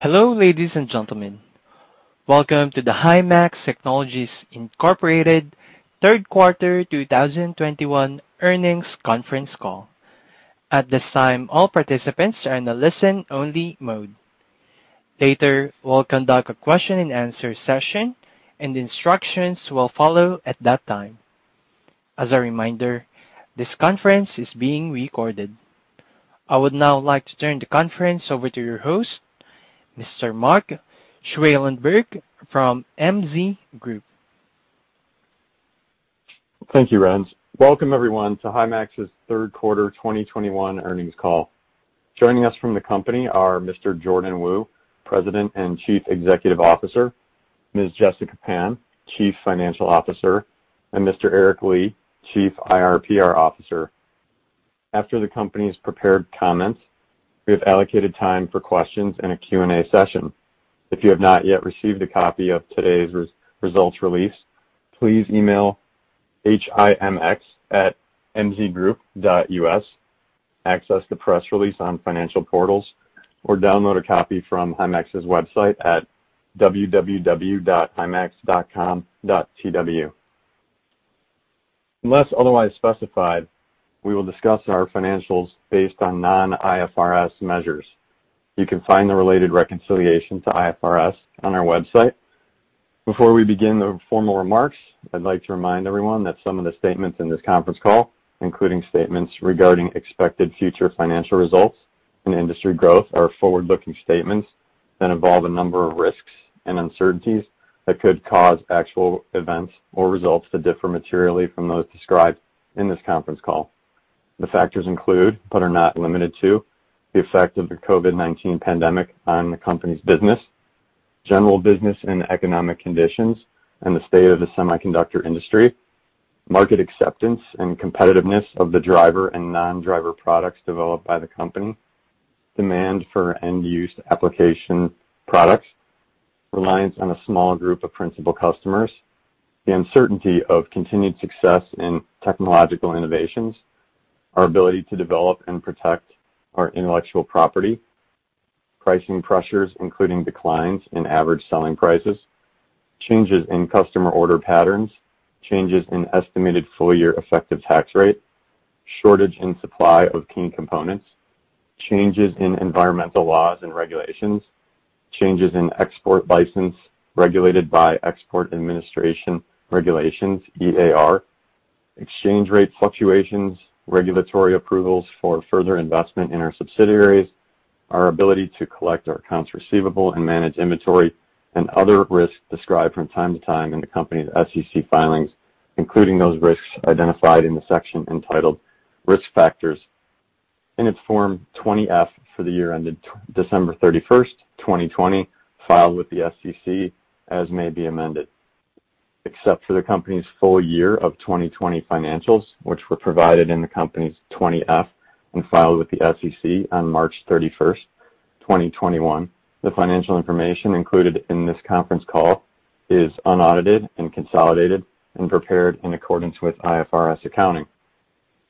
Hello, ladies and gentlemen. Welcome to the Himax Technologies, Inc. Third Quarter 2021 Earnings Conference Call. At this time, all participants are in a listen-only mode. Later, we'll conduct a question-and-answer session, and instructions will follow at that time. As a reminder, this conference is being recorded. I would now like to turn the conference over to your host, Mr. Mark Schwalenberg from MZ Group. Thank you, Renz. Welcome, everyone, to Himax's Third Quarter 2021 Earnings Call. Joining us from the company are Mr. Jordan Wu, President and Chief Executive Officer, Ms. Jessica Pan, Chief Financial Officer, and Mr. Eric Li, Chief IR/PR Officer. After the company's prepared comments, we have allocated time for questions in a Q&A session. If you have not yet received a copy of today's results release, please email himx@mzgroup.us, access the press release on financial portals, or download a copy from Himax's website at www.himax.com.tw. Unless otherwise specified, we will discuss our financials based on non-IFRS measures. You can find the related reconciliation to IFRS on our website. Before we begin the formal remarks, I'd like to remind everyone that some of the statements in this conference call, including statements regarding expected future financial results and industry growth, are forward-looking statements that involve a number of risks and uncertainties that could cause actual events or results to differ materially from those described in this conference call. The factors include, but are not limited to, the effect of the COVID-19 pandemic on the company's business, general business and economic conditions, and the state of the semiconductor industry, market acceptance and competitiveness of the driver and non-driver products developed by the company, demand for end-use application products, reliance on a small group of principal customers, the uncertainty of continued success in technological innovations, our ability to develop and protect our intellectual property, pricing pressures. Including declines in average selling prices, changes in customer order patterns, changes in estimated full-year effective tax rate, shortage in supply of key components, changes in environmental laws and regulations, changes in export license regulated by Export Administration Regulations, EAR, exchange rate fluctuations, regulatory approvals for further investment in our subsidiaries, our ability to collect our accounts receivable and manage inventory, and other risks described from time to time in the company's SEC filings, including those risks identified in the section entitled Risk Factors in its Form 20-F for the year ended December 31st, 2020, filed with the SEC, as may be amended. Except for the company's full year of 2020 financials, which were provided in the company's 20-F and filed with the SEC on March 31, 2021, the financial information included in this conference call is unaudited and consolidated and prepared in accordance with IFRS accounting.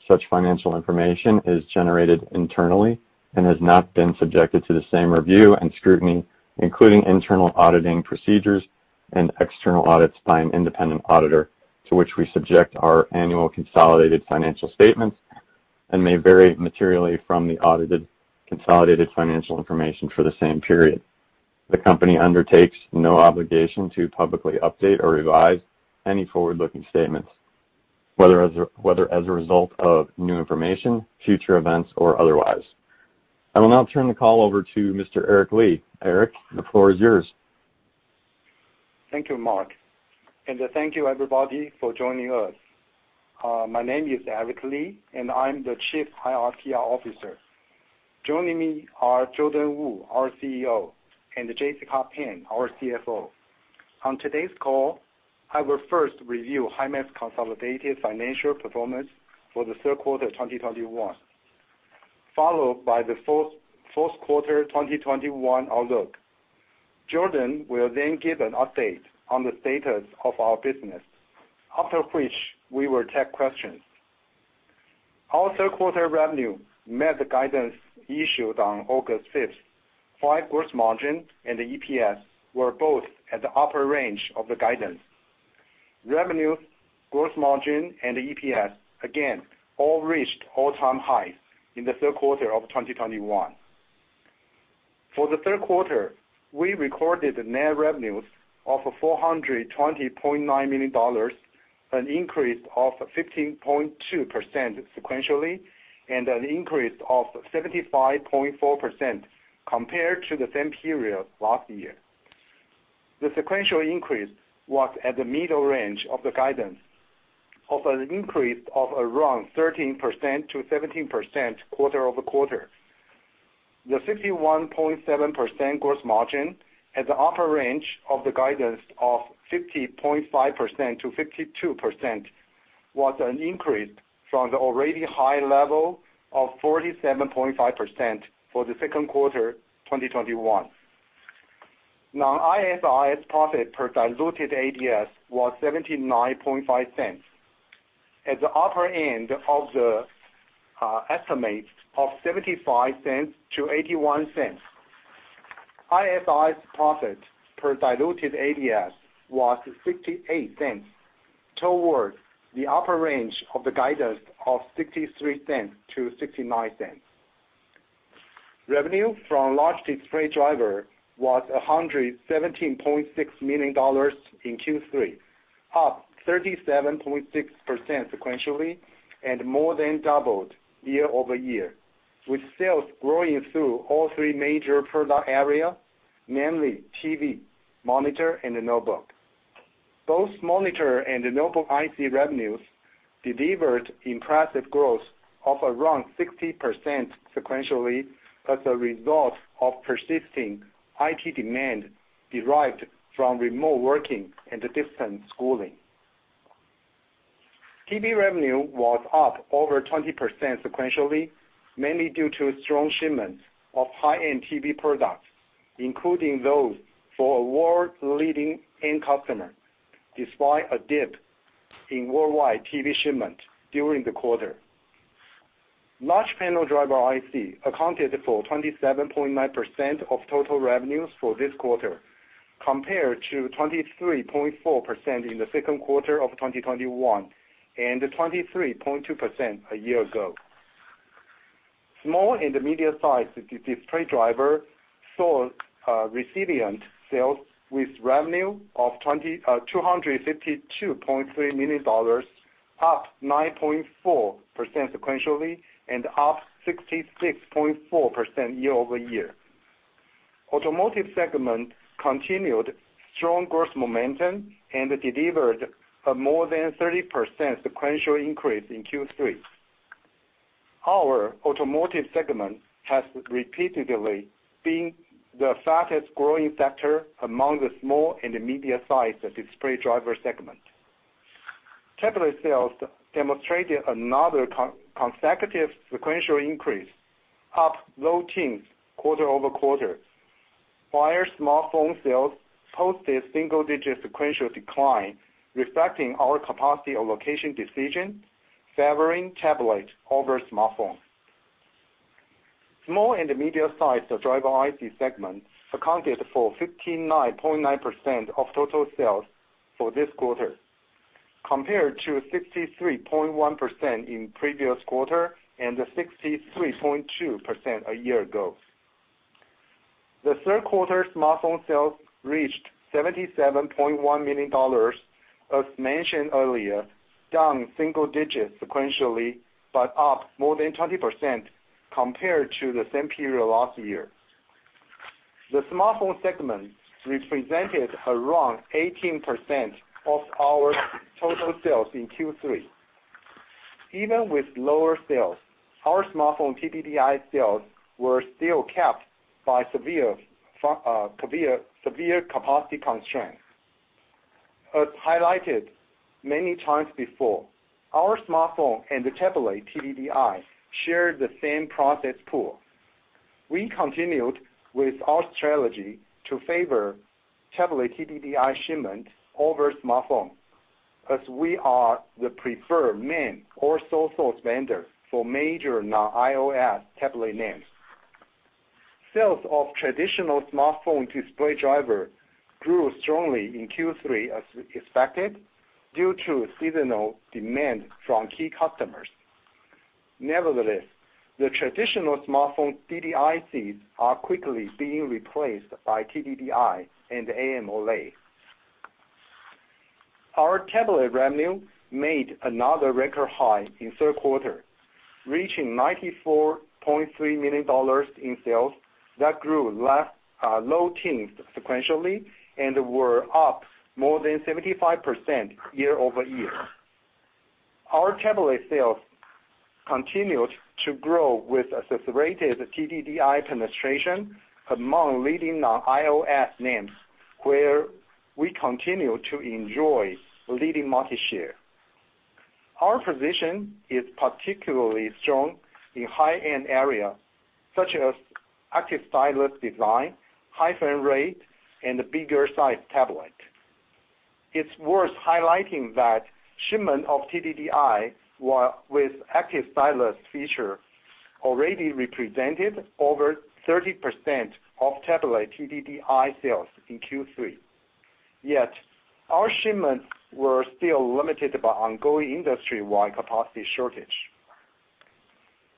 Such financial information is generated internally and has not been subjected to the same review and scrutiny, including internal auditing procedures and external audits by an independent auditor to which we subject our annual consolidated financial statements and may vary materially from the audited consolidated financial information for the same period. The company undertakes no obligation to publicly update or revise any forward-looking statements, whether as a result of new information, future events, or otherwise. I will now turn the call over to Mr. Eric Li. Eric, the floor is yours. Thank you, Mark. Thank you, everybody, for joining us. My name is Eric Li, and I'm the Chief IR/PR Officer. Joining me are Jordan Wu, our CEO, and Jessica Pan, our CFO. On today's call, I will first review Himax consolidated financial performance for the third quarter 2021, followed by the fourth quarter 2021 outlook. Jordan will then give an update on the status of our business, after which we will take questions. Our third quarter revenue met the guidance issued on August 5th. Gross margin and EPS were both at the upper range of the guidance. Revenue, gross margin, and EPS, again, all reached all-time highs in the third quarter of 2021. For the third quarter, we recorded net revenues of $420.9 million, an increase of 15.2% sequentially and an increase of 75.4% compared to the same period last year. The sequential increase was at the middle range of the guidance of an increase of around 13%-17% quarter-over-quarter. The 61.7% gross margin at the upper range of the guidance of 50.5%-52% was an increase from the already high level of 47.5% for the second quarter 2021. Non-IFRS profit per diluted ADS was $0.795, at the upper end of the estimate of $0.75-$0.81. IFRS profit per diluted ADS was $0 .68, towards the upper range of the guidance of $0.63-$0.69. Revenue from large display driver was $117.6 million in Q3, up 37.6% sequentially and more than doubled year-over-year, with sales growing through all three major product area, namely TV, monitor, and the notebook. Both monitor and the notebook IC revenues delivered impressive growth of around 60% sequentially as a result of persisting IT demand derived from remote working and the distance schooling. TV revenue was up over 20% sequentially, mainly due to strong shipments of high-end TV products, including those for a world-leading end customer, despite a dip in worldwide TV shipment during the quarter. Large panel driver IC accounted for 27.9% of total revenues for this quarter, compared to 23.4% in the second quarter of 2021, and 23.2% a year ago. Small and intermediate size display driver saw resilient sales with revenue of $252.3 million, up 9.4% sequentially and up 66.4% year-over-year. Automotive segment continued strong growth momentum and delivered a more than 30% sequential increase in Q3. Our automotive segment has repeatedly been the fastest-growing sector among the small and intermediate size display driver segment. Tablet sales demonstrated another consecutive sequential increase, up low teens quarter-over-quarter, while smartphone sales posted single-digit sequential decline, reflecting our capacity allocation decision, favoring tablet over smartphone. Small and intermediate size driver IC segment accounted for 59.9% of total sales for this quarter, compared to 63.1% in previous quarter, and 63.2% a year ago. The third quarter smartphone sales reached $77.1 million, as mentioned earlier, down single-digits sequentially, but up more than 20% compared to the same period last year. The smartphone segment represented around 18% of our total sales in Q3. Even with lower sales, our smartphone TDDI sales were still capped by severe capacity constraints. As highlighted many times before, our smartphone and the tablet TDDI share the same process pool. We continued with our strategy to favor tablet TDDI shipment over smartphone, as we are the preferred main or sole source vendor for major non-iOS tablet names. Sales of traditional smartphone display driver grew strongly in Q3 as expected, due to seasonal demand from key customers. Nevertheless, the traditional smartphone DDIC are quickly being replaced by TDDI and AMOLED. Our tablet revenue made another record high in third quarter, reaching $94.3 million in sales. That grew low teens sequentially and were up more than 75% year-over-year. Our tablet sales continued to grow with accelerated TDDI penetration among leading non-iOS names, where we continue to enjoy leading market share. Our position is particularly strong in high-end area, such as active stylus design, high frame rate, and the bigger size tablet. It's worth highlighting that shipment of TDDI with active stylus feature already represented over 30% of tablet TDDI sales in Q3. Yet, our shipments were still limited by ongoing industry-wide capacity shortage.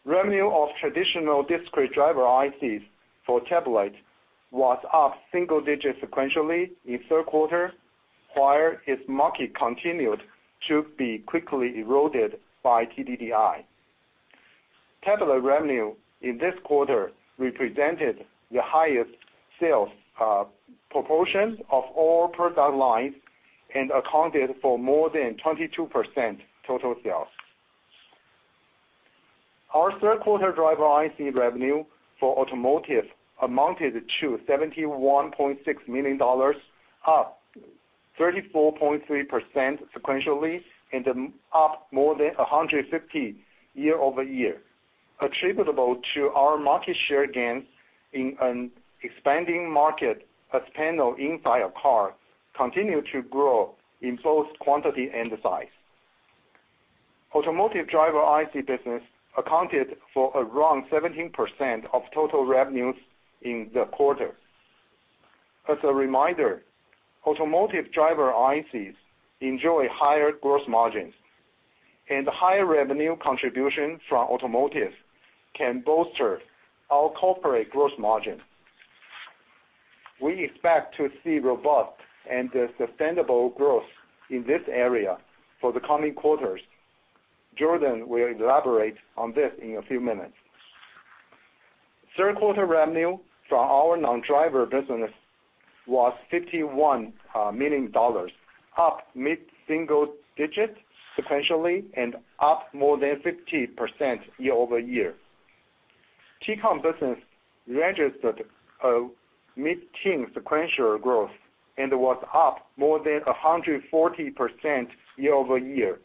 Revenue of traditional discrete driver ICs for tablet was up single-digits sequentially in third quarter, while its market continued to be quickly eroded by TDDI. Tablet revenue in this quarter represented the highest sales proportion of all product lines and accounted for more than 22% of total sales. Our third quarter driver IC revenue for automotive amounted to $71.6 million, up 34.3% sequentially, and up more than 150% year-over-year. Attributable to our market share gains in an expanding market as panels inside a car continue to grow in both quantity and size. Automotive driver IC business accounted for around 17% of total revenues in the quarter. As a reminder, automotive driver ICs enjoy higher gross margins, and higher revenue contribution from automotive can bolster our corporate gross margin. We expect to see robust and sustainable growth in this area for the coming quarters. Jordan will elaborate on this in a few minutes. Third quarter revenue from our non-driver business was $51 million, up mid-single-digits sequentially and up more than 50% year-over-year. TCON business registered a mid-teen sequential growth and was up more than 140% year-over-year,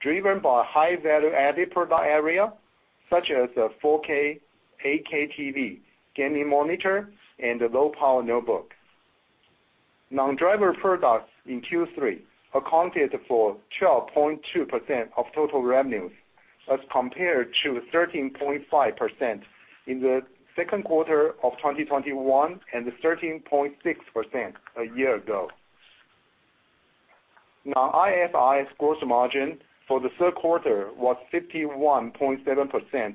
driven by high value-added product area such as 4K, 8K TV, gaming monitor, and low-power notebook. Non-driver products in Q3 accounted for 12.2% of total revenues as compared to 13.5% in the second quarter of 2021, and 13.6% a year ago. Now, our gross margin for the third quarter was 51.7%,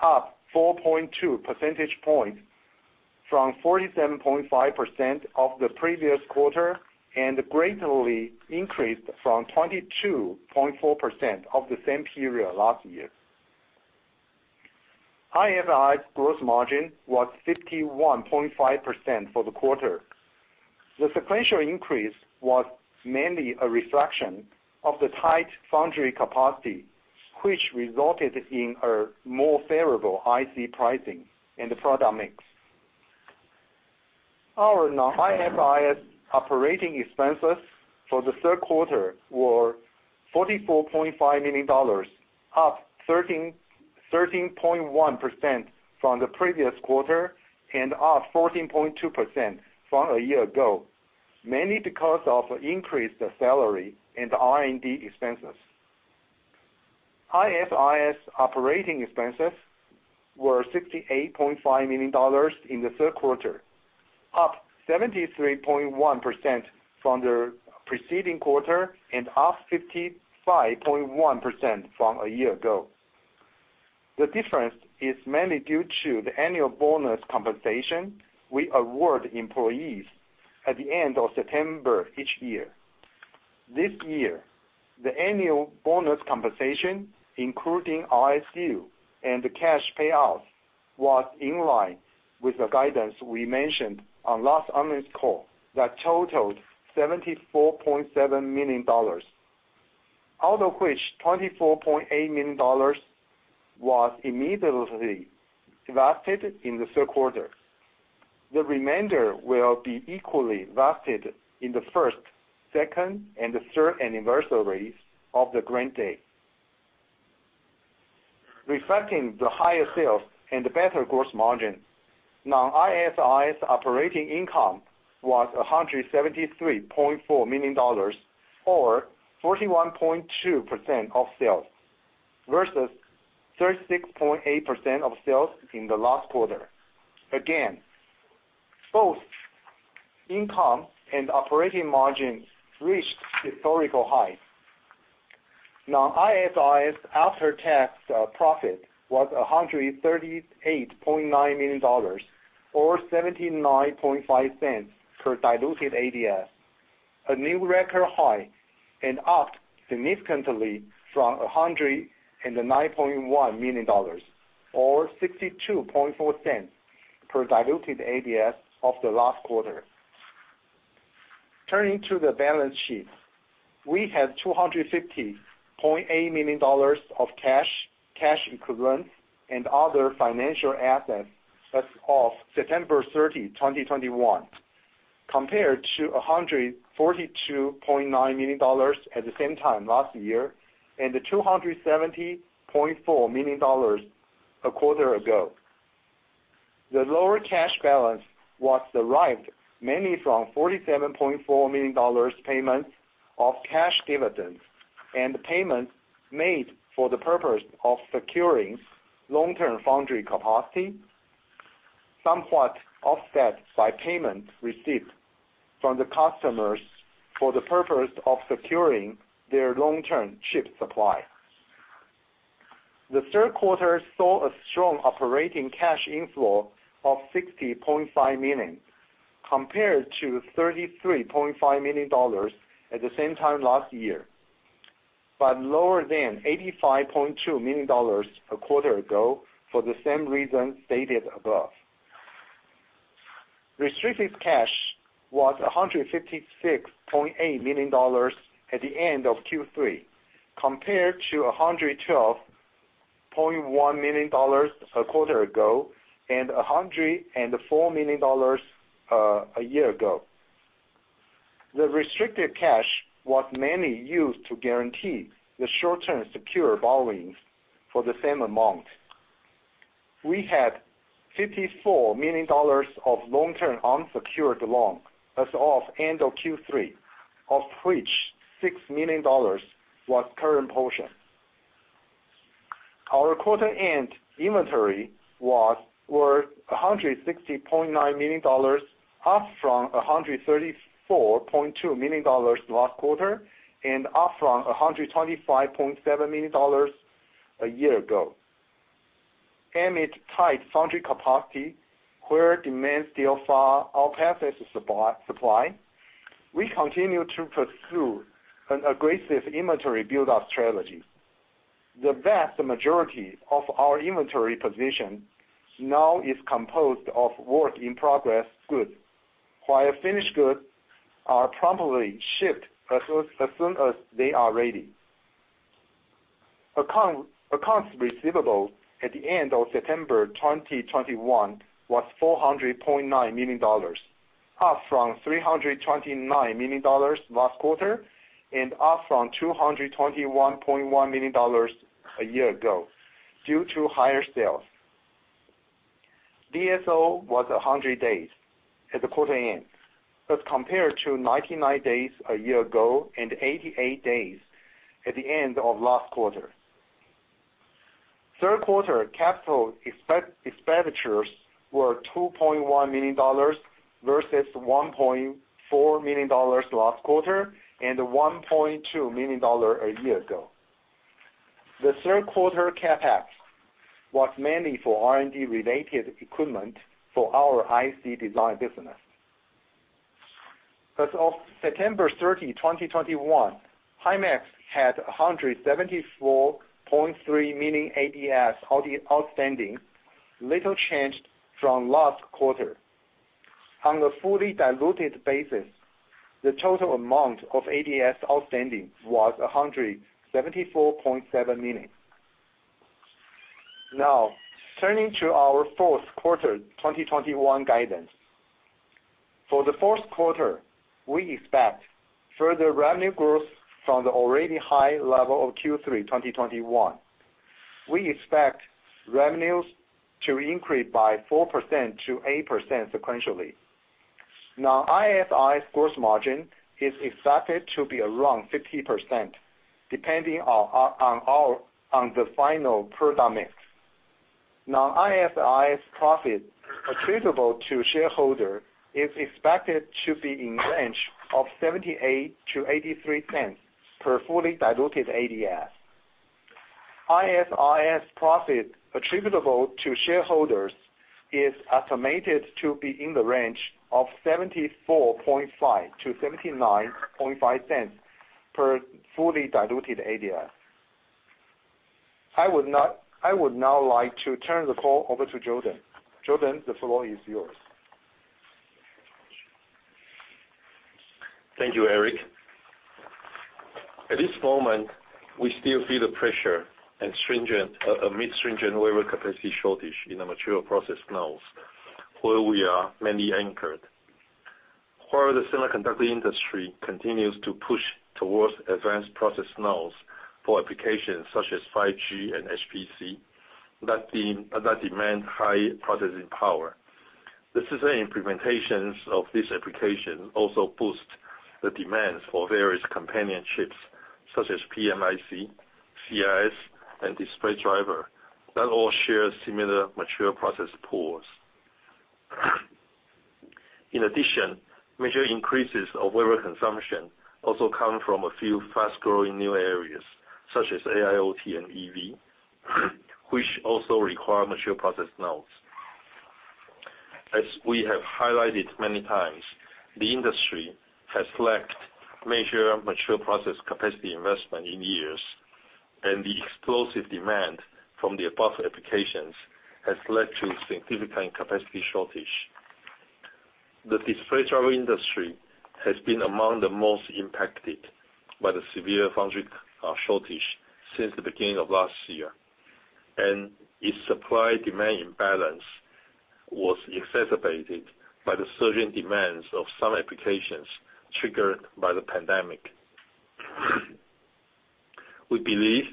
up 4.2 percentage points from 47.5% of the previous quarter, and greatly increased from 22.4% of the same period last year. Our gross margin was 51.5% for the quarter. The sequential increase was mainly a reflection of the tight foundry capacity, which resulted in a more favorable IC pricing and the product mix. Our non-IFRS operating expenses for the third quarter were $44.5 million, up 13.1% from the previous quarter and up 14.2% from a year ago, mainly because of increased salary and R&D expenses. IFRS operating expenses were $68.5 million in the third quarter, up 73.1% from the preceding quarter and up 55.1% from a year ago. The difference is mainly due to the annual bonus compensation we award employees at the end of September each year. This year, the annual bonus compensation, including RSUs and the cash payouts, was in line with the guidance we mentioned on last earnings call that totaled $74.7 million, out of which $24.8 million was immediately vested in the third quarter. The remainder will be equally vested in the first, second, and third anniversaries of the grant date. Reflecting the higher sales and better gross margin, non-IFRS operating income was $173.4 million or 41.2% of sales versus 36.8% of sales in the last quarter. Again, both income and operating margins reached historical highs. Non-IFRS after-tax profit was $138.9 million or 79.5 cents per diluted ADS, a new record high and up significantly from $109.1 million or $62.4 cents per diluted ADS of the last quarter. Turning to the balance sheet. We had $250.8 million of cash equivalents and other financial assets as of September 30, 2021, compared to $142.9 million at the same time last year, and $270.4 million a quarter ago. The lower cash balance was derived mainly from $47.4 million payment of cash dividends and payments made for the purpose of securing long-term foundry capacity, somewhat offset by payments received from the customers for the purpose of securing their long-term chip supply. The third quarter saw a strong operating cash inflow of $60.5 million, compared to $33.5 million at the same time last year, but lower than $85.2 million a quarter ago for the same reason stated above. Restricted cash was $156.8 million at the end of Q3, compared to $112.1 million a quarter ago and $104 million a year ago. The restricted cash was mainly used to guarantee the short-term secured borrowings for the same amount. We had $54 million of long-term unsecured loan as of end of Q3, of which $6 million was current portion. Our quarter end inventory was $160.9 million, up from $134.2 million last quarter, and up from $125.7 million a year ago. Amid tight foundry capacity where demand still far outpaces supply, we continue to pursue an aggressive inventory build-out strategy. The vast majority of our inventory position now is composed of work in progress goods, while finished goods are promptly shipped as soon as they are ready. Accounts receivable at the end of September 2021 was $409 million, up from $329 million last quarter, and up from $221.1 million a year ago due to higher sales. DSO was 100 days at the quarter end, as compared to 99 days a year ago and 88 days at the end of last quarter. Third quarter capital expenditures were $2.1 million versus $1.4 million last quarter, and $1.2 million a year ago. The third quarter CapEx was mainly for R&D related equipment for our IC design business. As of September 30, 2021, Himax had 174.3 million ADS outstanding, little changed from last quarter. On a fully diluted basis, the total amount of ADS outstanding was 174.7 million. Now, turning to our fourth quarter 2021 guidance. For the fourth quarter, we expect further revenue growth from the already high level of Q3 2021. We expect revenues to increase by 4%-8% sequentially. Now, our gross margin is expected to be around 50%, depending on our final product mix. Now, our profit attributable to shareholder is expected to be in range of $0.78-$0.83 per fully diluted ADS. Our profit attributable to shareholders is estimated to be in the range of $0.745-$0.795 per fully diluted ADS. I would now like to turn the call over to Jordan. Jordan, the floor is yours. Thank you, Eric. At this moment, we still feel the pressure amid stringent wafer capacity shortage in the mature process nodes, where we are mainly anchored. While the semiconductor industry continues to push towards advanced process nodes for applications such as 5G and HPC that demand high processing power. The system implementations of this application also boost the demands for various companion chips, such as PMIC, CIS, and display driver, that all share similar mature process cores. In addition, major increases of wafer consumption also come from a few fast-growing new areas, such as AIoT and EV, which also require mature process nodes. As we have highlighted many times, the industry has lacked major mature process capacity investment in years, and the explosive demand from the above applications has led to significant capacity shortage. The display driver industry has been among the most impacted by the severe foundry shortage since the beginning of last year. Its supply-demand imbalance was exacerbated by the surging demands of some applications triggered by the pandemic. We believe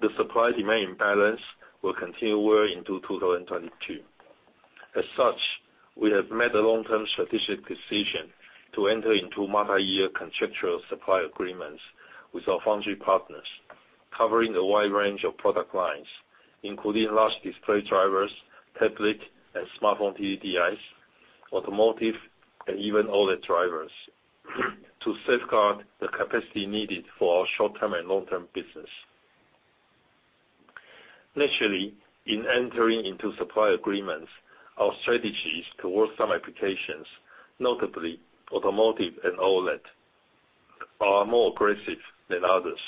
the supply-demand imbalance will continue well into 2022. As such, we have made a long-term strategic decision to enter into multi-year contractual supply agreements with our foundry partners, covering a wide range of product lines, including large display drivers, tablet and smartphone TDDIs, automotive, and even OLED drivers to safeguard the capacity needed for our short-term and long-term business. Naturally, in entering into supply agreements, our strategies towards some applications, notably automotive and OLED, are more aggressive than others.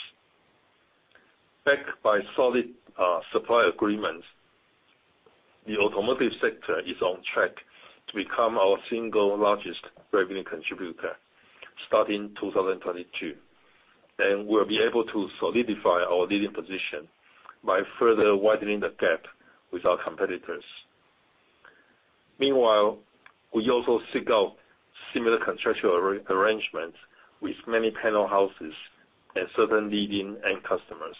Backed by solid supply agreements, the automotive sector is on track to become our single largest revenue contributor starting in 2022. We'll be able to solidify our leading position by further widening the gap with our competitors. Meanwhile, we also seek out similar contractual arrangements with many panel houses and certain leading end customers,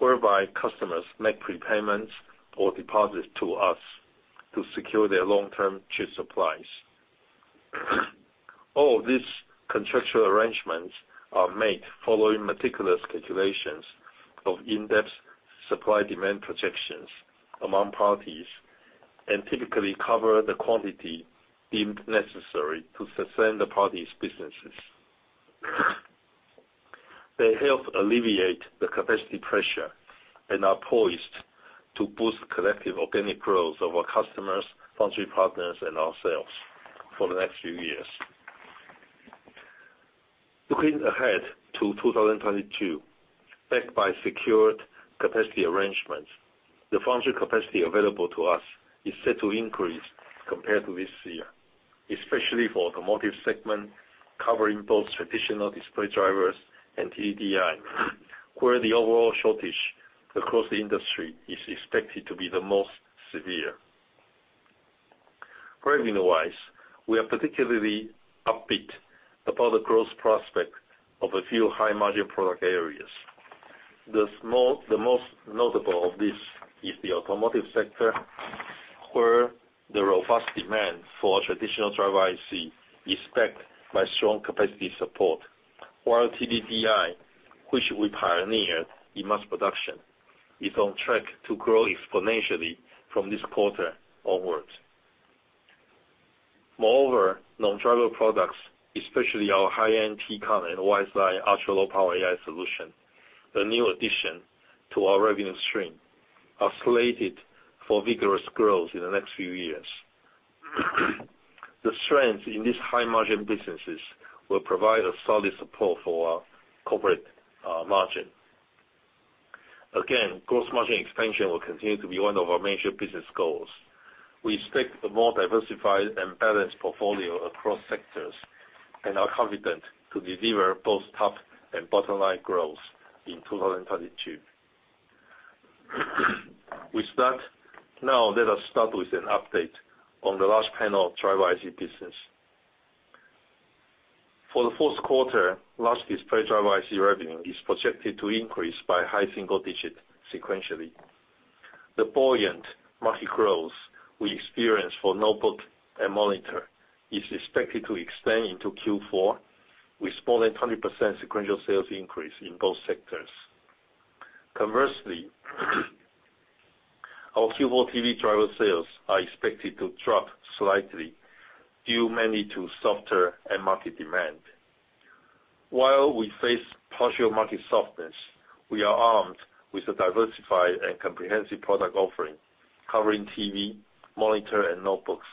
whereby customers make prepayments or deposits to us to secure their long-term chip supplies. All these contractual arrangements are made following meticulous calculations of in-depth supply demand projections among parties, and typically cover the quantity deemed necessary to sustain the parties' businesses. They help alleviate the capacity pressure and are poised to boost collective organic growth of our customers, foundry partners, and ourselves for the next few years. Looking ahead to 2022, backed by secured capacity arrangements, the foundry capacity available to us is set to increase compared to this year, especially for automotive segment, covering both traditional display drivers and TDDI, where the overall shortage across the industry is expected to be the most severe. Revenue-wise, we are particularly upbeat about the growth prospect of a few high-margin product areas. The most notable of this is the automotive sector, where the robust demand for traditional driver IC is backed by strong capacity support. While TDDI, which we pioneered in mass production, is on track to grow exponentially from this quarter onwards. Moreover, non-driver products, especially our high-end TCON and WiseEye ultra-low power AI solution, a new addition to our revenue stream, are slated for vigorous growth in the next few years. The strength in these high-margin businesses will provide a solid support for our corporate margin. Again, gross margin expansion will continue to be one of our major business goals. We expect a more diversified and balanced portfolio across sectors and are confident to deliver both top and bottom-line growth in 2022. With that, now let us start with an update on the large panel driver IC business. For the fourth quarter, large display driver IC revenue is projected to increase by high single-digit sequentially. The buoyant market growth we experienced for notebook and monitor is expected to extend into Q4, with more than 100% sequential sales increase in both sectors. Conversely, our Q4 TV driver sales are expected to drop slightly due mainly to softer end market demand. While we face partial market softness, we are armed with a diversified and comprehensive product offering, covering TV, monitor, and notebooks,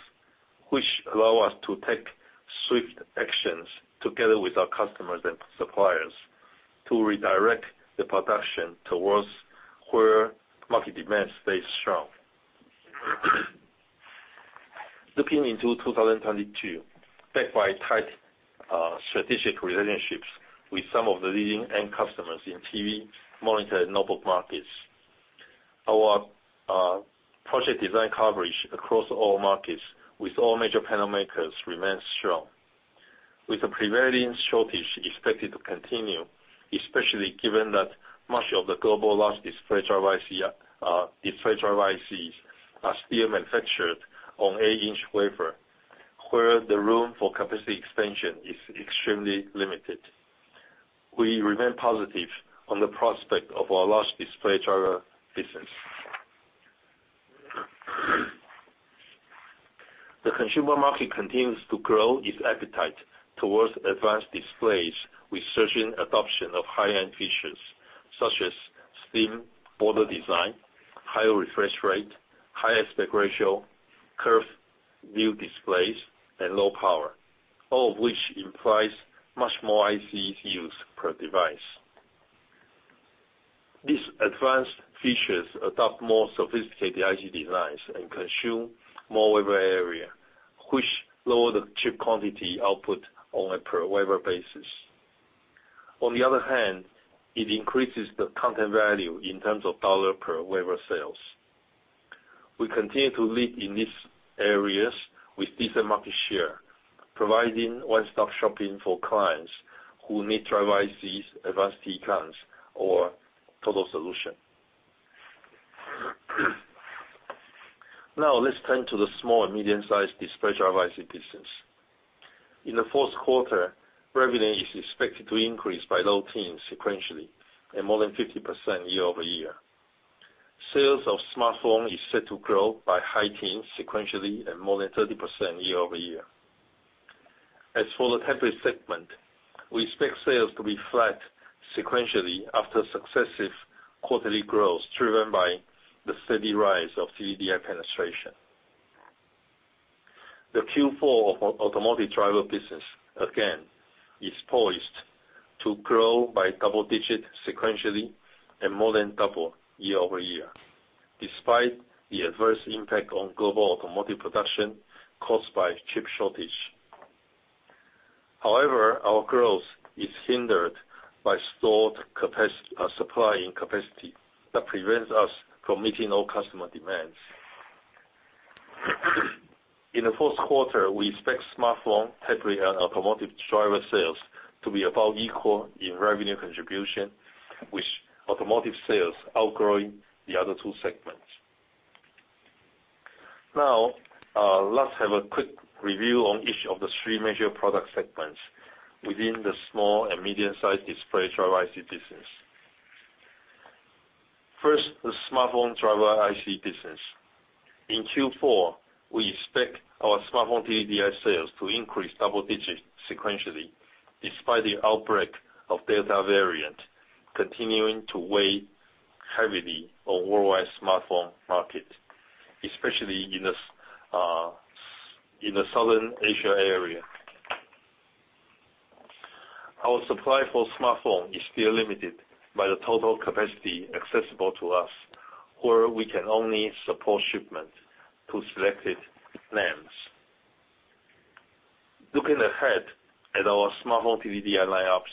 which allow us to take swift actions together with our customers and suppliers to redirect the production towards where market demand stays strong. Looking into 2022, backed by tight strategic relationships with some of the leading end customers in TV, monitor, and notebook markets, our project design coverage across all markets with all major panel makers remains strong. With the prevailing shortage expected to continue, especially given that much of the global large display driver IC, display driver ICs are still manufactured on eight-inch wafer, where the room for capacity expansion is extremely limited. We remain positive on the prospect of our large display driver business. The consumer market continues to grow its appetite towards advanced displays with surging adoption of high-end features such as slim border design, high refresh rate, high aspect ratio, curved view displays, and low power, all of which implies much more ICs used per device. These advanced features adopt more sophisticated IC designs and consume more wafer area, which lower the chip quantity output on a per wafer basis. On the other hand, it increases the content value in terms of dollar per wafer sales. We continue to lead in these areas with decent market share, providing one-stop shopping for clients who need driver ICs, advanced TCONs or total solution. Now, let's turn to the small and medium-sized display driver IC business. In the fourth quarter, revenue is expected to increase by low teens sequentially and more than 50% year-over-year. Sales of smartphone is set to grow by high-teens sequentially and more than 30% year-over-year. As for the tablet segment, we expect sales to be flat sequentially after successive quarterly growth, driven by the steady rise of TDDI penetration. The Q4 of our automotive driver business, again, is poised to grow by double-digit sequentially and more than double year-over-year, despite the adverse impact on global automotive production caused by chip shortage. However, our growth is hindered by stalled capacity, supply and capacity that prevents us from meeting all customer demands. In the fourth quarter, we expect smartphone, tablet, and automotive driver sales to be about equal in revenue contribution, with automotive sales outgrowing the other two segments. Now, let's have a quick review on each of the three major product segments within the small and medium-sized display driver IC business. First, the smartphone driver IC business. In Q4, we expect our smartphone TDDI sales to increase double-digits sequentially, despite the outbreak of Delta variant continuing to weigh heavily on worldwide smartphone market, especially in Southeast Asia. Our supply for smartphone is still limited by the total capacity accessible to us, where we can only support shipment to selected names. Looking ahead at our smartphone TDDI line-ups,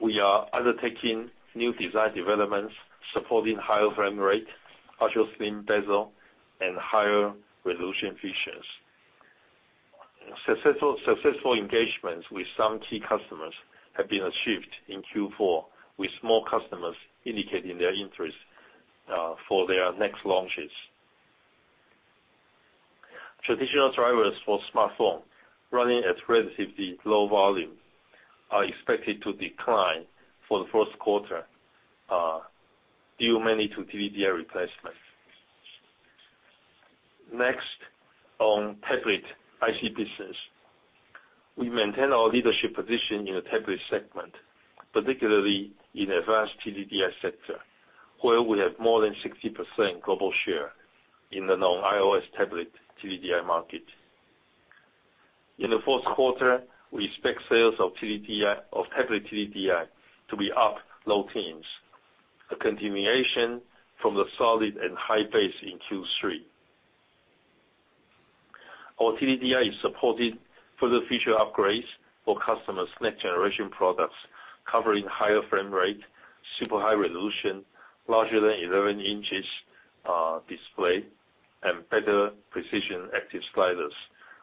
we are undertaking new design developments supporting higher frame rate, ultra-slim bezel, and higher resolution features. Successful engagements with some key customers have been achieved in Q4, with more customers indicating their interest for their next launches. Traditional drivers for smartphone running at relatively low volume are expected to decline for the first quarter due mainly to TDDI replacement. Next, on tablet IC business. We maintain our leadership position in the tablet segment, particularly in advanced TDDI sector, where we have more than 60% global share in the non-iOS tablet TDDI market. In the fourth quarter, we expect sales of tablet TDDI to be up low teens%, a continuation from the solid and high base in Q3. Our TDDI is supported for the feature upgrades for customers' next-generation products, covering higher frame rate, super high resolution, larger than 11 inches display, and better precision active styluses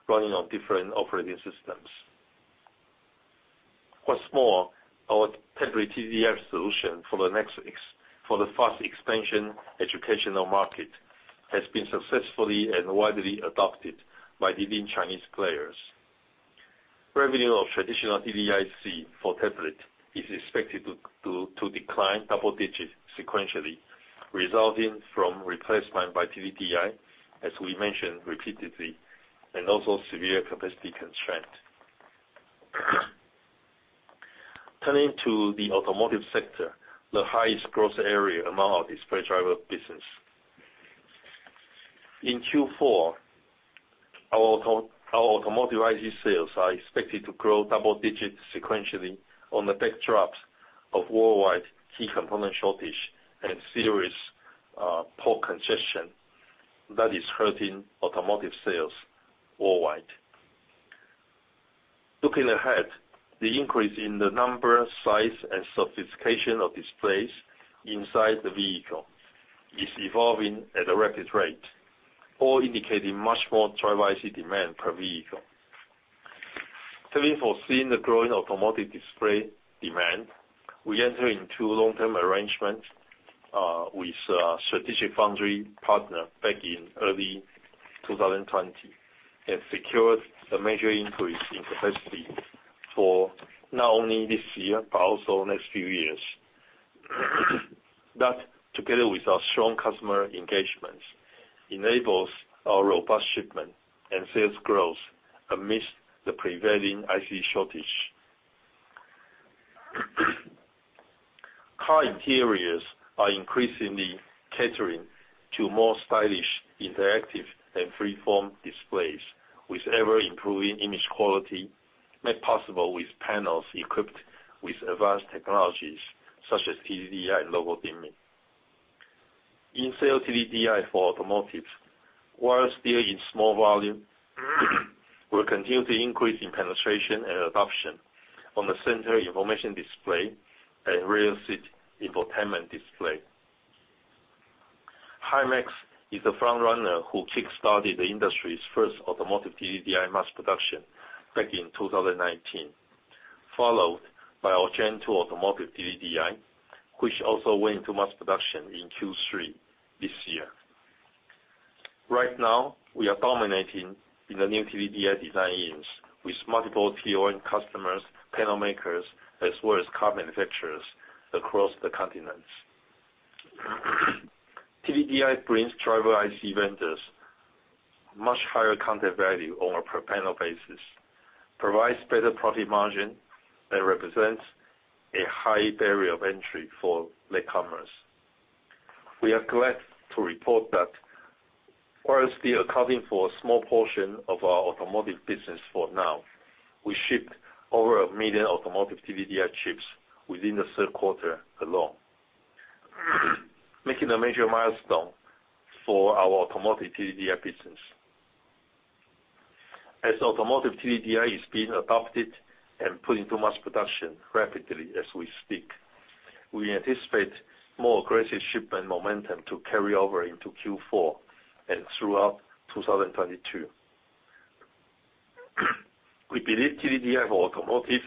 running on different operating systems. What's more, our tablet TDDI solution for the fast expansion educational market has been successfully and widely adopted by leading Chinese players. Revenue of traditional DDIC for tablet is expected to decline double-digits sequentially, resulting from replacement by TDDI, as we mentioned repeatedly, and also severe capacity constraint. Turning to the automotive sector, the highest growth area among our display driver business. In Q4, our automotive IC sales are expected to grow double-digits sequentially on the backdrops of worldwide key component shortage and serious port congestion that is hurting automotive sales worldwide. Looking ahead, the increase in the number, size, and sophistication of displays inside the vehicle is evolving at a rapid rate, all indicating much more driver IC demand per vehicle. To be foreseen the growing automotive display demand, we enter into long-term arrangement with a strategic foundry partner back in early 2020, and secured a major increase in capacity for not only this year, but also next few years. That together with our strong customer engagements enables our robust shipment and sales growth amidst the prevailing IC shortage. Car interiors are increasingly catering to more stylish, interactive, and free-form displays with ever-improving image quality made possible with panels equipped with advanced technologies, such as TDDI and local dimming. In-cell TDDI for automotive, while still in small volume, will continue to increase in penetration and adoption on the center information display and rear seat infotainment display. Himax is the front runner who kick-started the industry's first automotive TDDI mass production back in 2019, followed by our gen-2 automotive TDDI, which also went into mass production in Q3 this year. Right now, we are dominating in the new TDDI design-ins with multiple Tier 1 customers, panel makers, as well as car manufacturers across the continents. TDDI brings driver IC vendors much higher content value on a per panel basis, provides better profit margin, and represents a high barrier of entry for latecomers. We are glad to report that while still accounting for a small portion of our automotive business for now, we shipped over 1 million automotive TDDI chips within the third quarter alone, making a major milestone for our automotive TDDI business. As automotive TDDI is being adopted and put into mass production rapidly as we speak, we anticipate more aggressive shipment momentum to carry over into Q4 and throughout 2022. We believe TDDI for automotive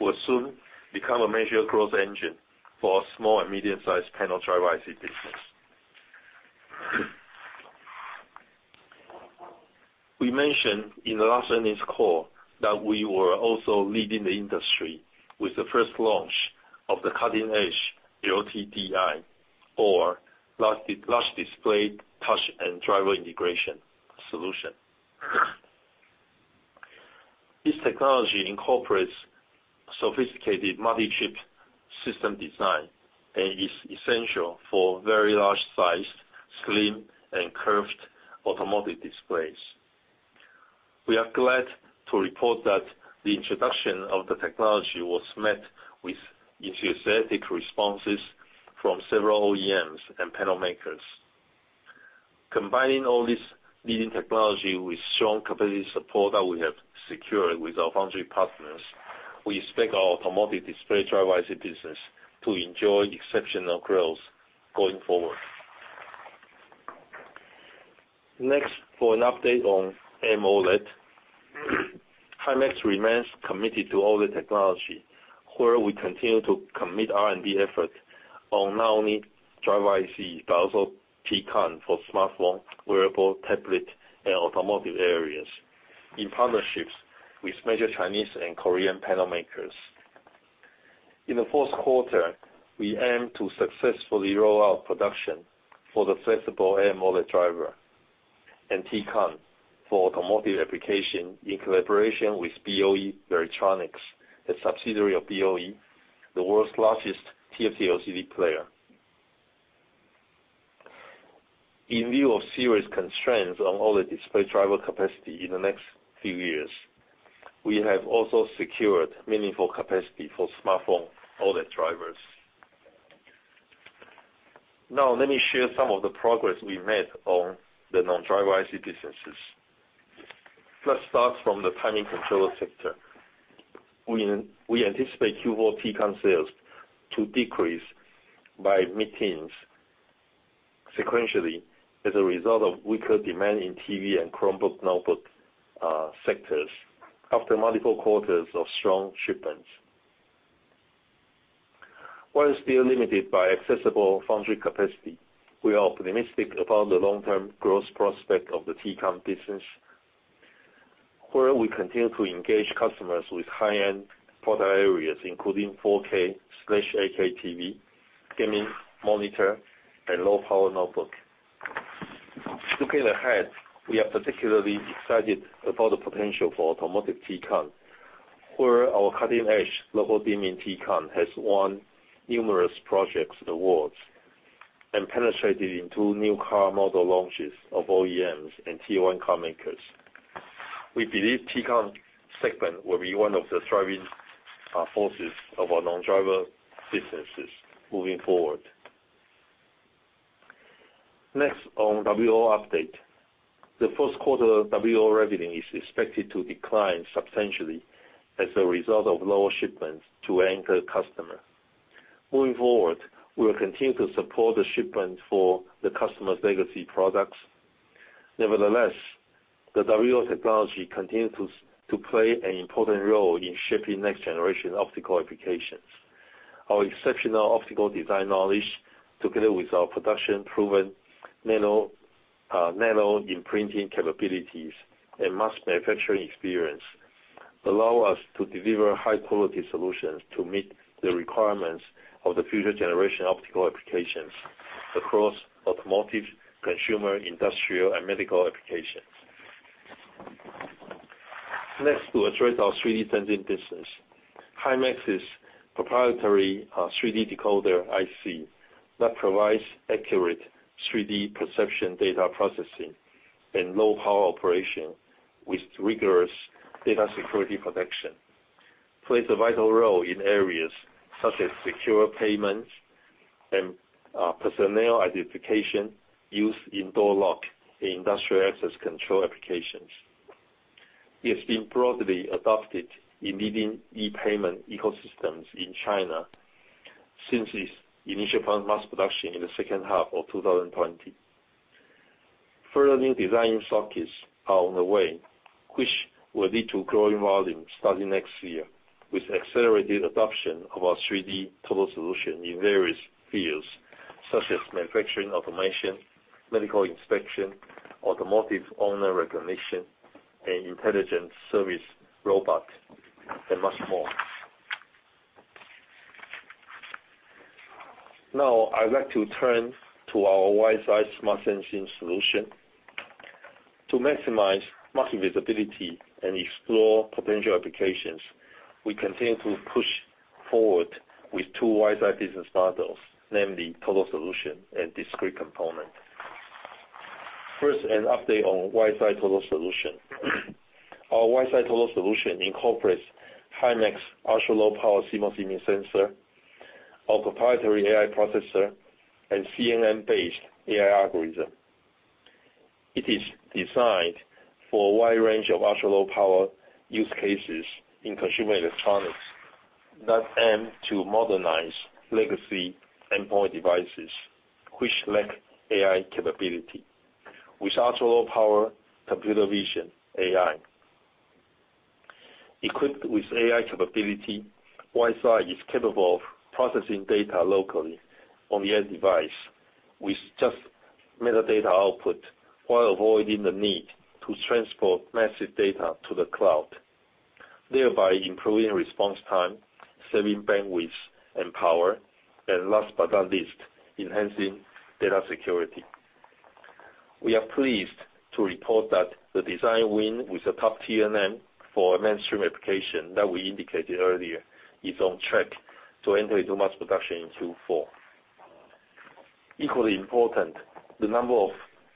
will soon become a major growth engine for small and medium-sized panel driver IC business. We mentioned in the last earnings call that we were also leading the industry with the first launch of the cutting-edge LTDI or large display touch and driver integration solution. This technology incorporates sophisticated multi-chip system design and is essential for very large sized, slim, and curved automotive displays. We are glad to report that the introduction of the technology was met with enthusiastic responses from several OEMs and panel makers. Combining all this leading technology with strong capacity support that we have secured with our foundry partners, we expect our automotive display driver IC business to enjoy exceptional growth going forward. Next, for an update on AMOLED. Himax remains committed to all the technology, where we continue to commit R&D effort on not only driver IC, but also TCON for smartphone, wearable, tablet, and automotive areas in partnerships with major Chinese and Korean panel makers. In the fourth quarter, we aim to successfully roll out production for the flexible AMOLED driver and TCON for automotive application in collaboration with BOE Varitronix, a subsidiary of BOE, the world's largest TFT-LCD player. In view of serious constraints on OLED display driver capacity in the next few years, we have also secured meaningful capacity for smartphone OLED drivers. Now, let me share some of the progress we made on the non-driver IC businesses. Let's start from the timing controller sector. We anticipate Q4 TCON sales to decrease by mid-teens sequentially as a result of weaker demand in TV and Chromebook, notebook, sectors after multiple quarters of strong shipments. While still limited by accessible foundry capacity, we are optimistic about the long-term growth prospect of the TCON business, where we continue to engage customers with high-end product areas, including 4K/8K TV, gaming, monitor, and low power notebook. Looking ahead, we are particularly excited about the potential for automotive TCON, where our cutting-edge local dimming TCON has won numerous projects and awards and penetrated into new car model launches of OEMs and Tier 1 car makers. We believe TCON segment will be one of the driving forces of our non-driver businesses moving forward. Next on WLO update. The first quarter WLO revenue is expected to decline substantially as a result of lower shipments to anchor customer. Moving forward, we'll continue to support the shipment for the customer's legacy products. Nevertheless, the WLO technology continues to play an important role in shaping next generation optical applications. Our exceptional optical design knowledge, together with our production proven nano imprinting capabilities and mass manufacturing experience, allow us to deliver high quality solutions to meet the requirements of the future generation optical applications across automotive, consumer, industrial, and medical applications. Next, to address our 3D Sensing business, Himax's proprietary 3D decoder IC that provides accurate 3D perception data processing and low power operation with rigorous data security protection, plays a vital role in areas such as secure payments and personnel identification used in door lock in industrial access control applications. It's been broadly adopted in leading e-payment ecosystems in China since its initial mass production in the second half of 2020. Further new design sockets are on the way, which will lead to growing volumes starting next year with accelerated adoption of our 3D total solution in various fields such as manufacturing, automation, medical inspection, automotive owner recognition, and intelligent service robot, and much more. Now, I would like to turn to our WiseEye smart sensing solution. To maximize market visibility and explore potential applications, we continue to push forward with two WiseEye business models, namely total solution and discrete component. First, an update on WiseEye total solution. Our WiseEye total solution incorporates Himax ultra-low power CMOS image sensor or proprietary AI processor and CNN-based AI algorithm. It is designed for a wide range of ultra-low power use cases in consumer electronics that aim to modernize legacy endpoint devices, which lack AI capability with ultra-low power computer vision AI. Equipped with AI capability, WiseEye is capable of processing data locally on the end device with just metadata output, while avoiding the need to transport massive data to the cloud, thereby improving response time, saving bandwidth and power, and last but not least, enhancing data security. We are pleased to report that the design win with a top-tier name for a mainstream application that we indicated earlier is on track to enter into mass production in Q4. Equally important, the number of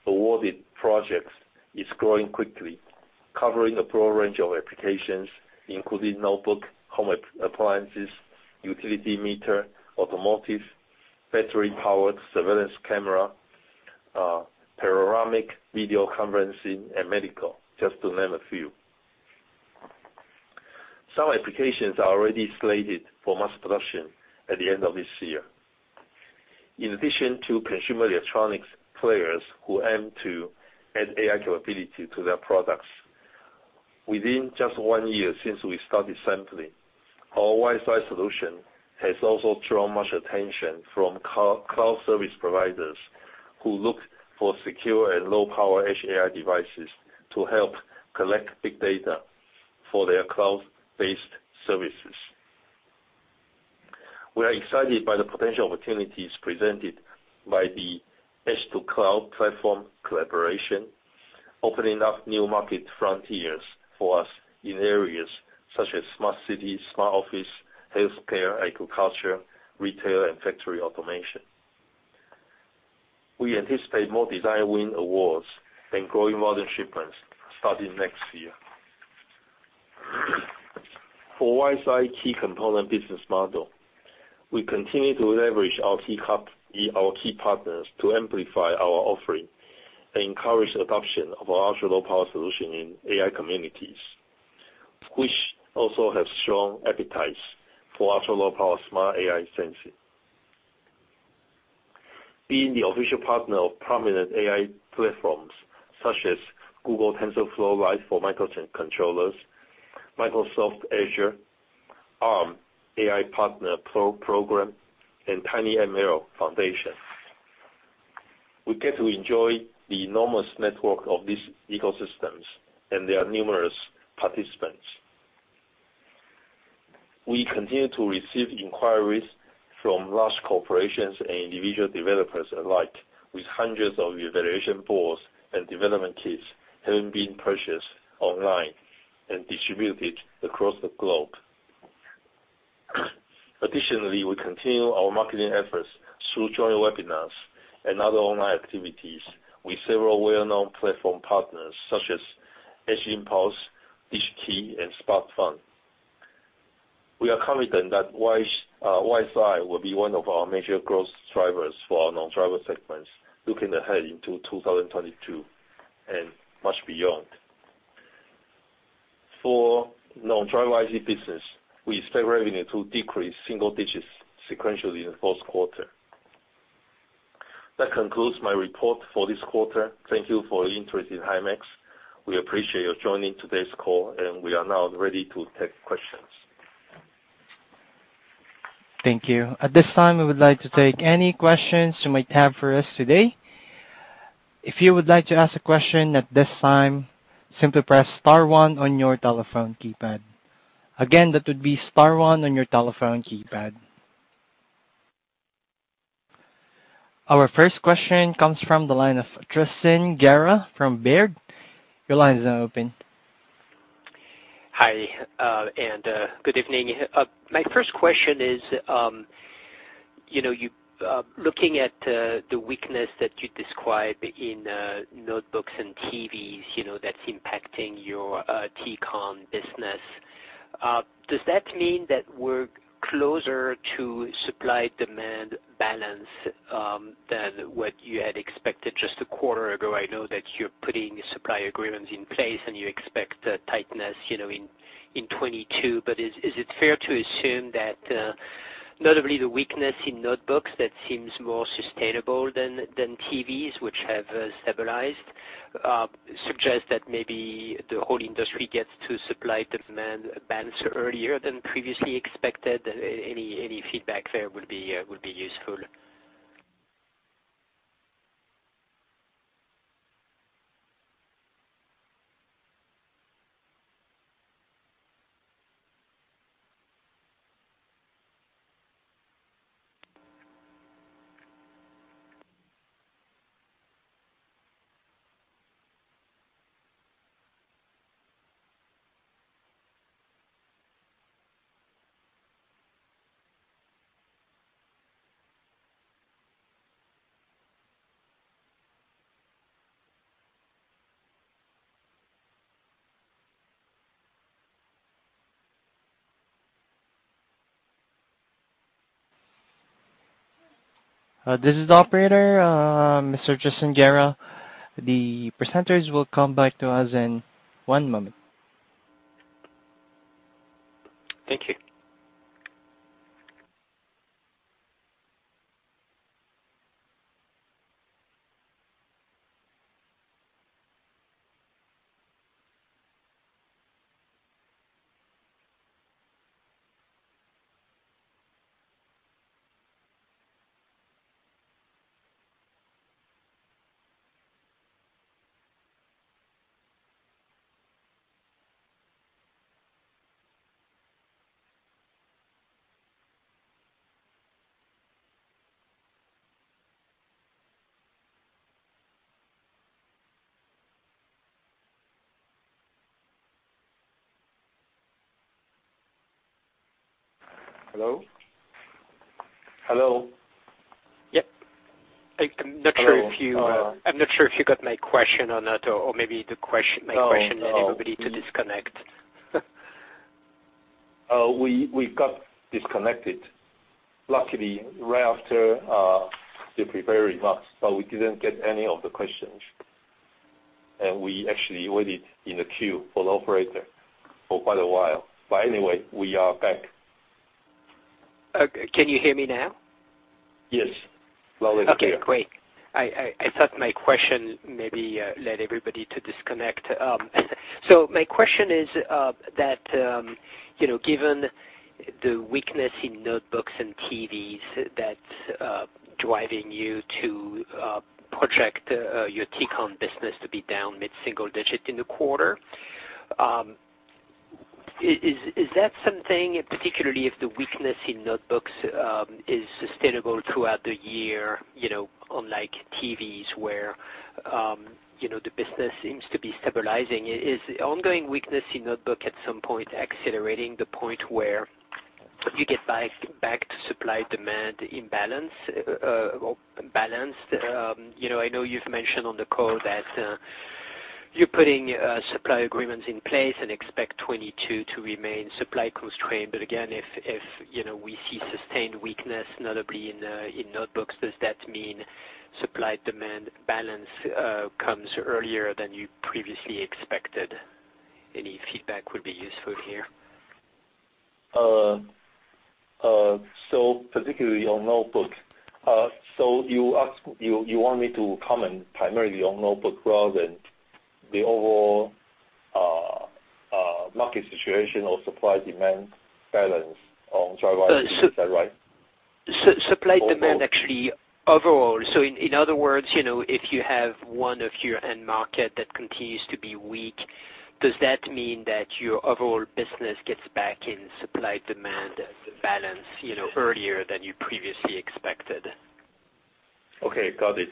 awarded projects is growing quickly, covering a broad range of applications, including notebook, home appliances, utility meter, automotive, battery power, surveillance camera, panoramic video conferencing and medical, just to name a few. Some applications are already slated for mass production at the end of this year. In addition to consumer electronics players who aim to add AI capability to their products, within just one year since we started sampling, our WiseEye solution has also drawn much attention from cloud service providers who look for secure and low power edge AI devices to help collect big data for their cloud-based services. We are excited by the potential opportunities presented by the edge to cloud platform collaboration, opening up new market frontiers for us in areas such as smart cities, smart office, healthcare, agriculture, retail and factory automation. We anticipate more design win awards and growing volume shipments starting next year. For WiseEye key component business model, we continue to leverage our key partners to amplify our offering and encourage adoption of our ultra-low power solution in AI communities, which also have strong appetite for ultra-low power smart AI sensing. Being the official partner of prominent AI platforms such as Google's TensorFlow Lite for Microcontrollers, Microsoft Azure, Arm AI Partner Program, and tinyML Foundation. We get to enjoy the enormous network of these ecosystems and their numerous participants. We continue to receive inquiries from large corporations and individual developers alike, with hundreds of evaluation boards and development kits having been purchased online and distributed across the globe. Additionally, we continue our marketing efforts through joint webinars and other online activities with several well-known platform partners such as Edge Impulse, DigiKey, and SparkFun. We are confident that WiseEye will be one of our major growth drivers for our non-driver segments looking ahead into 2022 and much beyond. For non-driver business, we expect revenue to decrease single-digits sequentially in the fourth quarter. That concludes my report for this quarter. Thank you for your interest in Himax. We appreciate you joining today's call and we are now ready to take questions. Thank you. At this time, we would like to take any questions you might have for us today. If you would like to ask a question at this time, simply press star one on your telephone keypad. Again, that would be star one on your telephone keypad. Our first question comes from the line of Tristan Gerra from Baird. Your line is now open. Hi, good evening. My first question is, you know, looking at the weakness that you describe in notebooks and TVs, you know, that's impacting your TCON business, does that mean that we're closer to supply-demand balance than what you had expected just a quarter ago? I know that you're putting supply agreements in place and you expect a tightness, you know, in 2022. But is it fair to assume that, notably the weakness in notebooks that seems more sustainable than TVs which have stabilized suggests that maybe the whole industry gets to supply-demand balance earlier than previously expected? Any feedback there would be useful. This is the operator. Mr. Tristan Gerra, the presenters will come back to us in one moment. Thank you. Hello? Hello? Yep. I'm not sure if you- Hello. I'm not sure if you got my question or not, or maybe my question- No.... led everybody to disconnect. We got disconnected, luckily right after the prepared remarks, but we didn't get any of the questions. We actually waited in the queue for the operator for quite a while. Anyway, we are back. Okay. Can you hear me now? Yes. Loud and clear. Okay, great. I thought my question maybe led everybody to disconnect. So my question is that you know, given the weakness in notebooks and TVs that's driving you to project your TCON business to be down mid-single-digit in the quarter, is that something, particularly if the weakness in notebooks is sustainable throughout the year, you know, unlike TVs where you know, the business seems to be stabilizing. Is the ongoing weakness in notebook at some point accelerating the point where you get back to supply-demand imbalance balanced? You know, I know you've mentioned on the call that you're putting supply agreements in place and expect 2022 to remain supply constrained. Again, if you know, we see sustained weakness, notably in notebooks, does that mean supply-demand balance comes earlier than you previously expected? Any feedback would be useful here. Particularly on notebook, you want me to comment primarily on notebook rather than the overall market situation or supply-demand balance on driver ICs. Is that right? Supply, demand actually overall. Overall. In other words, you know, if you have one of your end market that continues to be weak, does that mean that your overall business gets back in supply-demand balance, you know, earlier than you previously expected? Okay. Got it.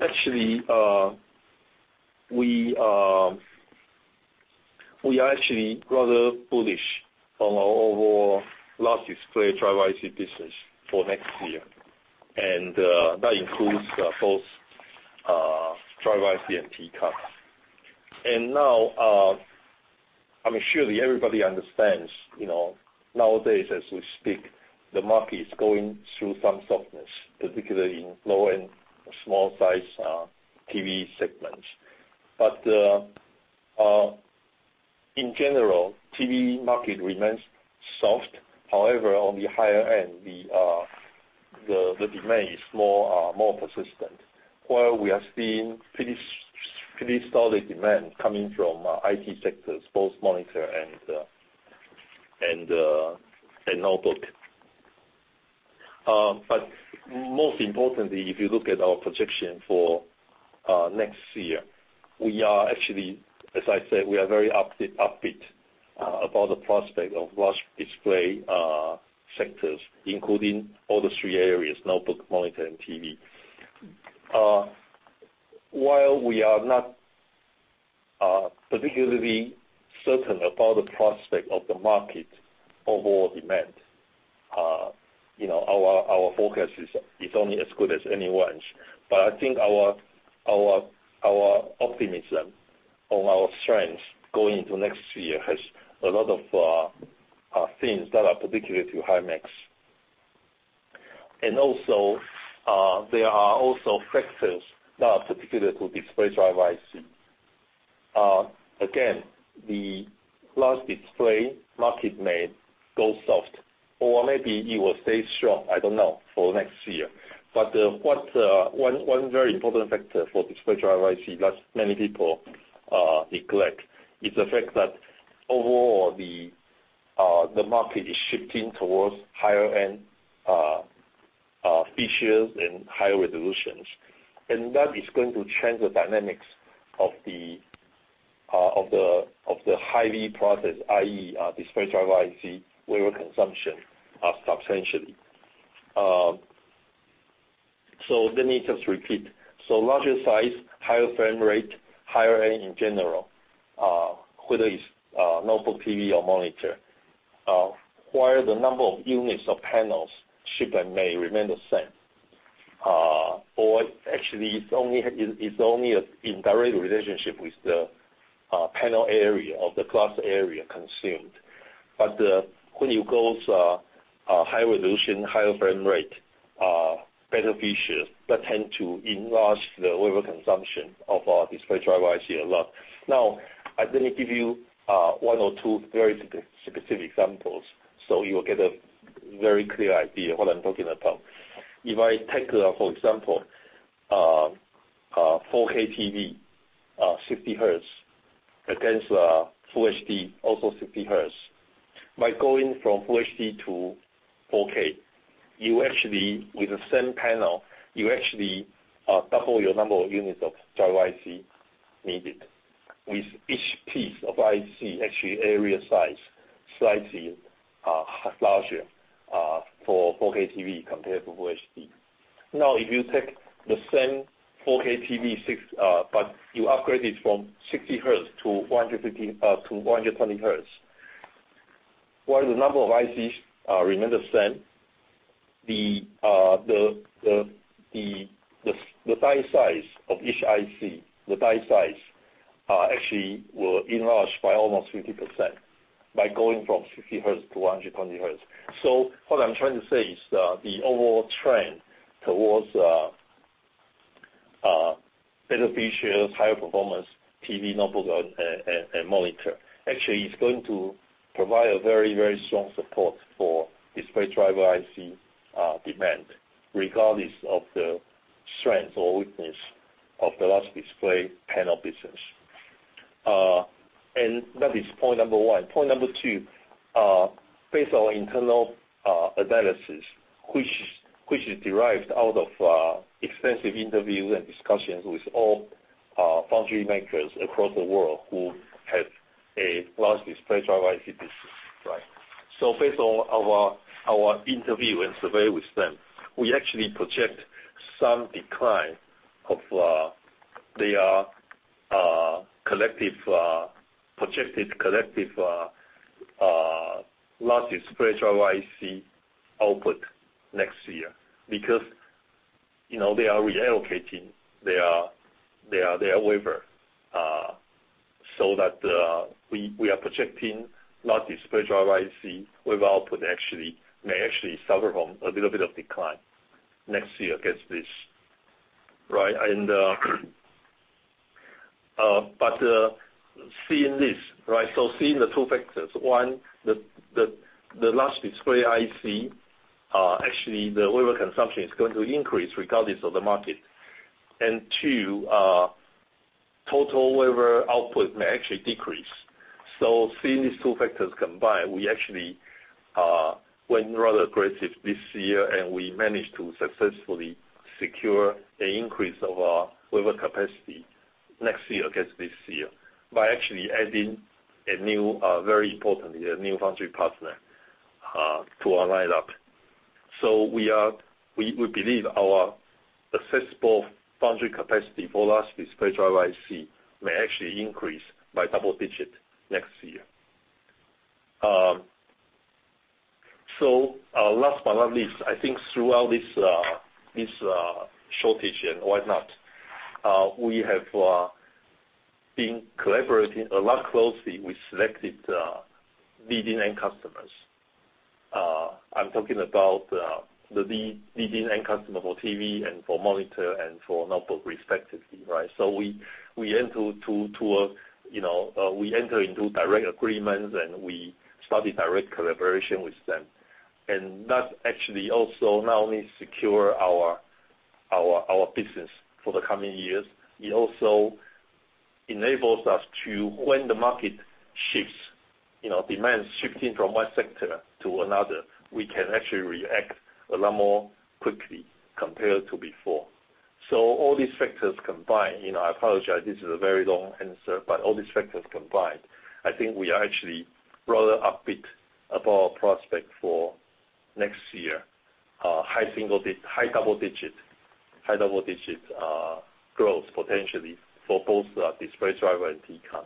Actually, we are actually rather bullish on our overall large display driver IC business for next year. That includes both driver IC and TCON. Now, I'm sure that everybody understands, you know, nowadays as we speak, the market is going through some softness, particularly in low-end, small-size TV segments. In general, TV market remains soft. However, on the higher end, the demand is more persistent, while we are seeing pretty solid demand coming from IT sectors, both monitor and notebook. Most importantly, if you look at our projection for next year, we are actually, as I said, we are very upbeat about the prospect of large display sectors, including all the three areas, notebook, monitor, and TV. While we are not particularly certain about the prospect of the market overall demand, you know, our optimism on our strength going into next year has a lot of things that are particular to Himax. There are also factors that are particular to display driver IC. Again, the large display market may go soft, or maybe it will stay strong, I don't know, for next year. One very important factor for display driver IC that many people neglect is the fact that overall the market is shifting towards higher end features and higher resolutions. That is going to change the dynamics of the high-voltage process, i.e., display driver IC wafer consumption substantially. Let me just repeat. Larger size, higher frame rate, higher end in general, whether it's notebook, TV or monitor, while the number of units or panels shipped and made remain the same, or actually, it's only an indirect relationship with the panel area or the glass area consumed. When you go to a higher resolution, higher frame rate, better features that tend to enlarge the wafer consumption of our display driver IC a lot. Now, I'm gonna give you one or two very specific examples, so you'll get a very clear idea what I'm talking about. If I take, for example, a 4K TV, 60 Hz against a full HD, also 60 Hz. By going from full HD to 4K, you actually, with the same panel, double your number of units of driver IC needed, with each piece of IC actually area size slightly larger for 4K TV compared to full HD. Now, if you take the same 4K TV, but you upgrade it from 60 Hz-120 Hz, while the number of ICs remain the same, the die size of each IC actually will enlarge by almost 50% by going from 50 Hz-120 Hz. What I'm trying to say is the overall trend towards better features, higher performance TV, notebook and monitor actually is going to provide a very, very strong support for display driver IC demand, regardless of the strength or weakness of the large display panel business. That is point number one. Point number two, based on internal analysis, which is derived out of extensive interviews and discussions with all foundry makers across the world who have a large display driver IC business. Right. Based on our interview and survey with them, we actually project some decline of their collective projected large display driver IC output next year because they are reallocating their wafer so that we are projecting large display driver IC wafer output actually may suffer from a little bit of decline next year against this. Right? But seeing this, so seeing the two factors, one, the large display IC actually the wafer consumption is going to increase regardless of the market. Two, total wafer output may actually decrease. Seeing these two factors combined, we actually went rather aggressive this year, and we managed to successfully secure an increase of our wafer capacity next year against this year by actually adding a new, very importantly, a new foundry partner to our lineup. We believe our accessible foundry capacity for large display driver IC may actually increase by double-digit next year. Last but not least, I think throughout this shortage and whatnot, we have been collaborating a lot closely with selected leading end customers. I'm talking about the leading end customer for TV and for monitor and for notebook respectively, right? We enter into direct agreements and we start a direct collaboration with them. That actually also not only secure our business for the coming years, it also enables us to, when the market shifts, you know, demand shifting from one sector to another, we can actually react a lot more quickly compared to before. All these factors combined, you know, I apologize, this is a very long answer, but all these factors combined, I think we are actually rather upbeat about our prospect for next year. High double-digit growth potentially for both our display driver and TCON.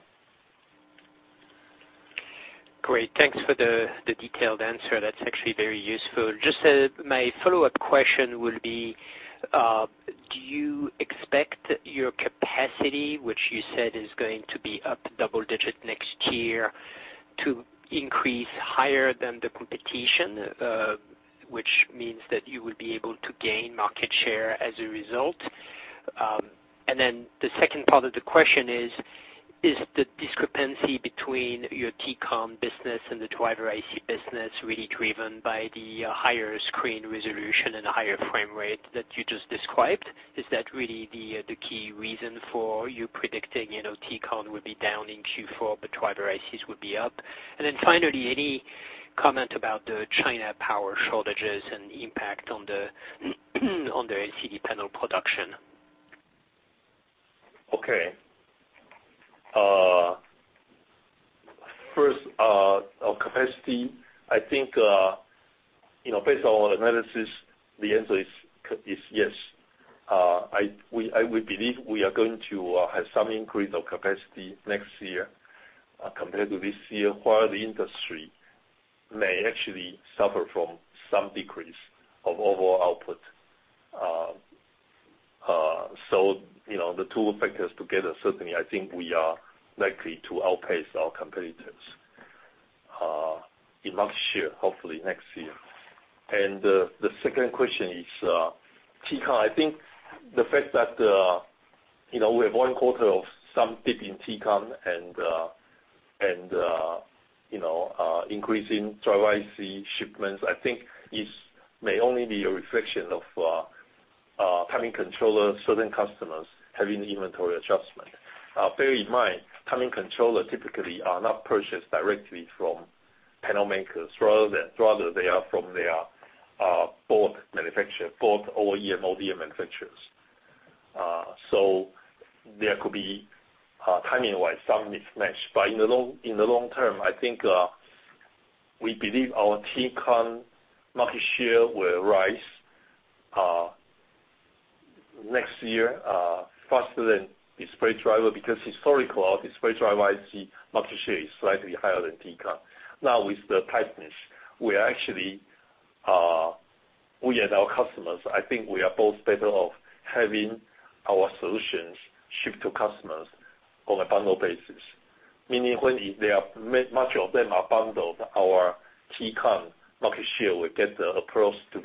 Great. Thanks for the detailed answer. That's actually very useful. Just my follow-up question will be do you expect your capacity, which you said is going to be up double-digit next year, to increase higher than the competition, which means that you would be able to gain market share as a result? And then the second part of the question is the discrepancy between your TCON business and the driver IC business really driven by the higher screen resolution and the higher frame rate that you just described? Is that really the key reason for you predicting, you know, TCON will be down in Q4, but driver ICs will be up? And then finally, any comment about the China power shortages and the impact on the LCD panel production? Capacity, I think you know, based on our analysis, the answer is yes. I would believe we are going to have some increase of capacity next year compared to this year, while the industry may actually suffer from some decrease of overall output. So, you know, the two factors together, certainly I think we are likely to outpace our competitors in market share, hopefully next year. The second question is TCON. I think the fact that you know, we have one quarter of some dip in TCON and increasing driver IC shipments, I think may only be a reflection of timing controller, certain customers having inventory adjustment. Bear in mind, timing controller typically are not purchased directly from panel makers. Rather they are from their board manufacturer, board OEM/ODM manufacturers. So there could be timing wise, some mismatch. In the long term, I think we believe our TCON market share will rise next year faster than display driver because historically, our display driver IC market share is slightly higher than TCON. Now, with the tightness, we are actually we and our customers, I think we are both better off having our solutions shipped to customers on a bundle basis. Meaning, when much of them are bundled, our TCON market share will approach to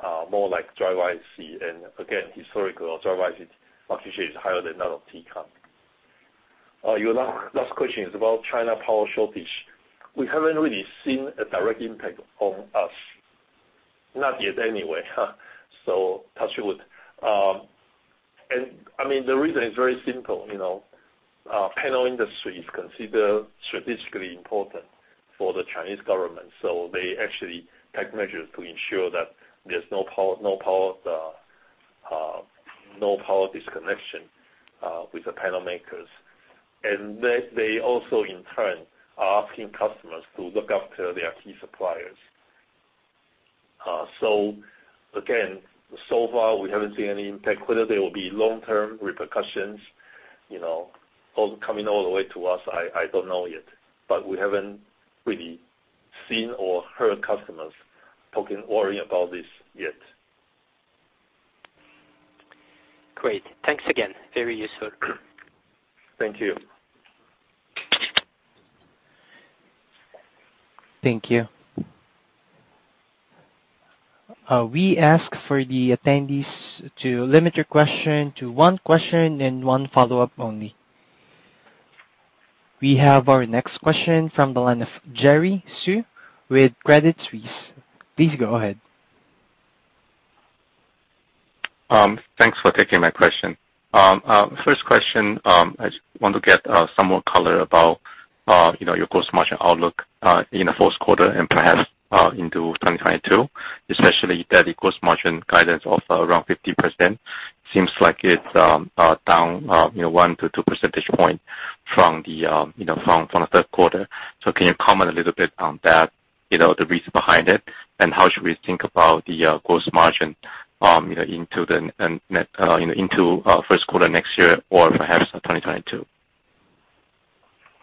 be more like driver IC. Again, historically, our driver IC market share is higher than that of TCON. Your last question is about China power shortage. We haven't really seen a direct impact on us. Not yet, anyway. Touch wood. I mean, the reason is very simple. Panel industry is considered strategically important for the Chinese government, so they actually take measures to ensure that there's no power disconnection with the panel makers. They also in turn are asking customers to look after their key suppliers. So far we haven't seen any impact. Whether there will be long-term repercussions coming all the way to us, I don't know yet. We haven't really seen or heard customers talking, worrying about this yet. Great. Thanks again. Very useful. Thank you. Thank you. We ask for the attendees to limit your question to one question and one follow-up only. We have our next question from the line of Jerry Su with Credit Suisse. Please go ahead. Thanks for taking my question. First question, I just want to get some more color about, you know, your gross margin outlook in the fourth quarter and perhaps into 2022, especially that the gross margin guidance of around 50% seems like it's down, you know, one to two percentage point from the third quarter. Can you comment a little bit on that, you know, the reason behind it? How should we think about the gross margin, you know, into the near term, into first quarter next year or perhaps 2022?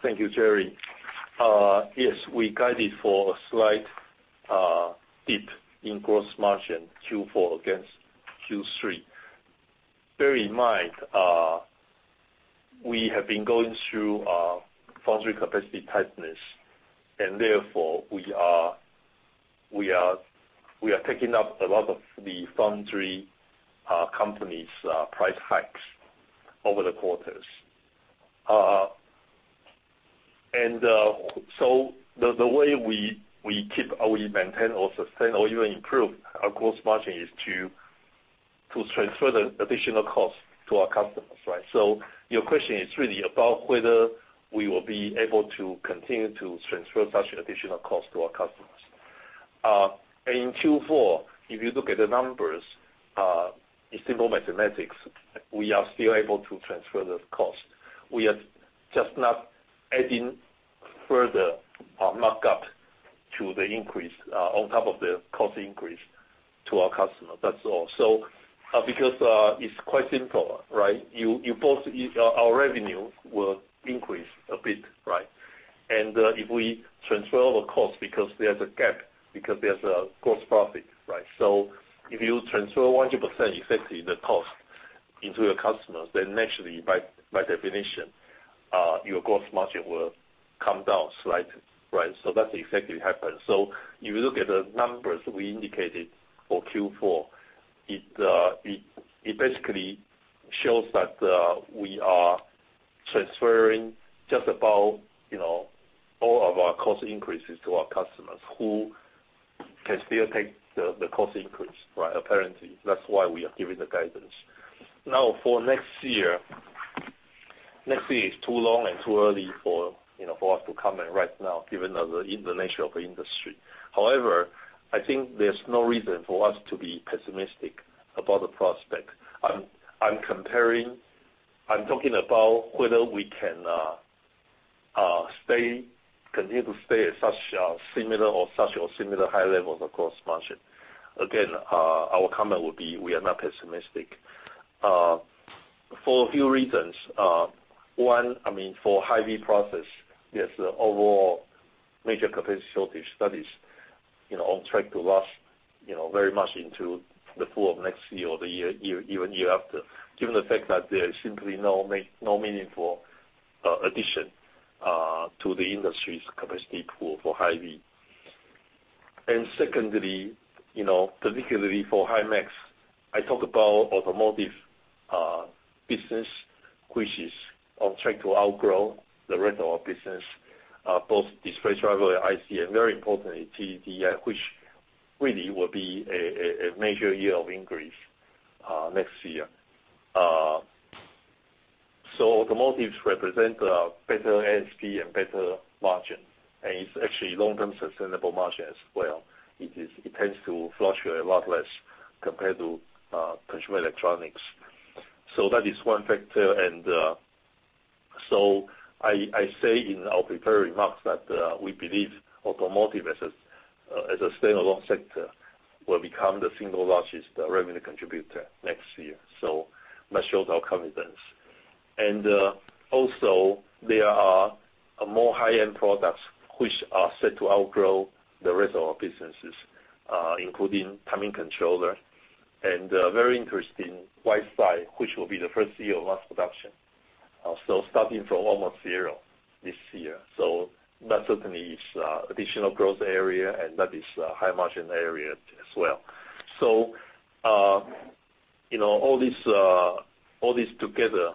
Thank you, Jerry. Yes, we guided for a slight dip in gross margin Q4 against Q3. Bear in mind, we have been going through foundry capacity tightness, and therefore we are taking up a lot of the foundry company's price hikes over the quarters. So the way we keep or we maintain or sustain or even improve our gross margin is to transfer the additional cost to our customers, right? So your question is really about whether we will be able to continue to transfer such additional cost to our customers. In Q4, if you look at the numbers, it's simple mathematics, we are still able to transfer the cost. We are just not adding further markup to the increase on top of the cost increase to our customers. That's all. Because it's quite simple, right? Our revenue will increase a bit, right? If we transfer all the costs because there's a gap, because there's a gross profit, right? If you transfer 100% exactly the cost into your customers, then naturally by definition your gross margin will come down slightly, right? That's exactly happened. You look at the numbers we indicated for Q4. It basically shows that we are transferring just about, you know, all of our cost increases to our customers who can still take the cost increase, right? Apparently, that's why we are giving the guidance. Now, for next year, next year is too long and too early for, you know, for us to comment right now, given the nature of the industry. However, I think there's no reason for us to be pessimistic about the prospect. I'm talking about whether we can continue to stay at such a similar high levels of gross margin. Again, our comment would be we are not pessimistic for a few reasons. One, I mean, for high-voltage process, yes, the overall major capacity shortage that is, you know, on track to last, you know, very much into the fall of next year or the year even year after, given the fact that there is simply no meaningful addition to the industry's capacity pool for high-voltage. Secondly, you know, particularly for Himax, I talk about automotive business, which is on track to outgrow the rest of our business, both display driver IC and very importantly, TDDI, which really will be a major year of increase next year. Automotives represent a better ASP and better margin, and it's actually long-term sustainable margin as well. It tends to fluctuate a lot less compared to consumer electronics. That is one factor. I say in our prepared remarks that we believe automotive as a standalone sector will become the single largest revenue contributor next year. That shows our confidence. Also there are more high-end products which are set to outgrow the rest of our businesses, including timing controller and very interesting WiseEye, which will be the first year of mass production, starting from almost zero this year. That certainly is additional growth area and that is a high margin area as well. You know, all these together,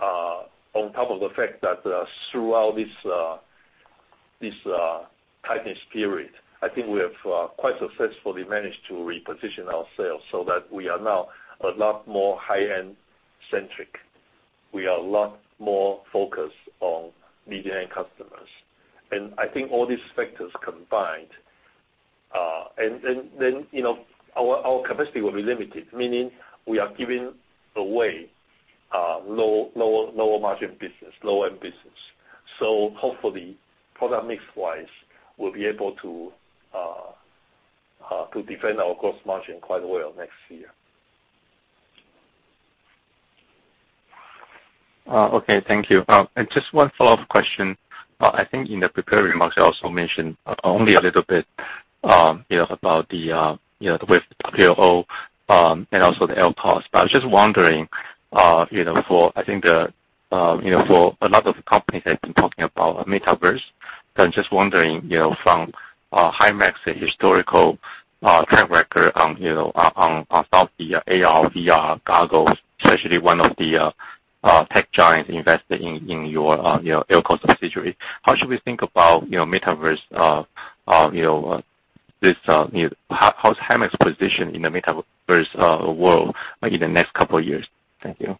on top of the fact that, throughout this tightness period, I think we have quite successfully managed to reposition ourselves so that we are now a lot more high-end centric. We are a lot more focused on mid-range customers. I think all these factors combined, and then, you know, our capacity will be limited, meaning we are giving away lower margin business, lower-end business. Hopefully, product mix wise, we'll be able to defend our gross margin quite well next year. Okay. Thank you. Just one follow-up question. I think in the prepared remarks, you also mentioned only a little bit, you know, about the, you know, with WLO, and also the LCOS. I was just wondering, you know, for I think the, you know, for a lot of companies that have been talking about Metaverse, so I'm just wondering, you know, from, Himax historical, track record, you know, on software, AR/VR goggles, especially one of the, tech giants invested in your, you know, LCOS subsidiary. How should we think about, you know, Metaverse, you know, this, how's Himax positioned in the Metaverse, world, like, in the next couple of years? Thank you.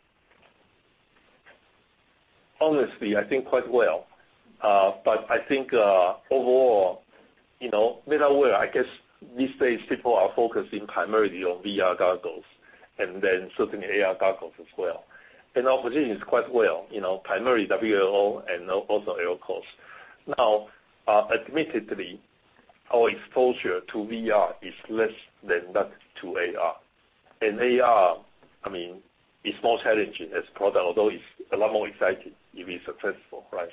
Honestly, I think quite well. I think overall, you know, metaverse, I guess these days people are focusing primarily on VR goggles and then certainly AR goggles as well. Our position is quite well, you know, primarily WLO and also LCOS. Now, admittedly, our exposure to VR is less than that to AR. AR, I mean, is more challenging as a product, although it's a lot more exciting if we're successful, right?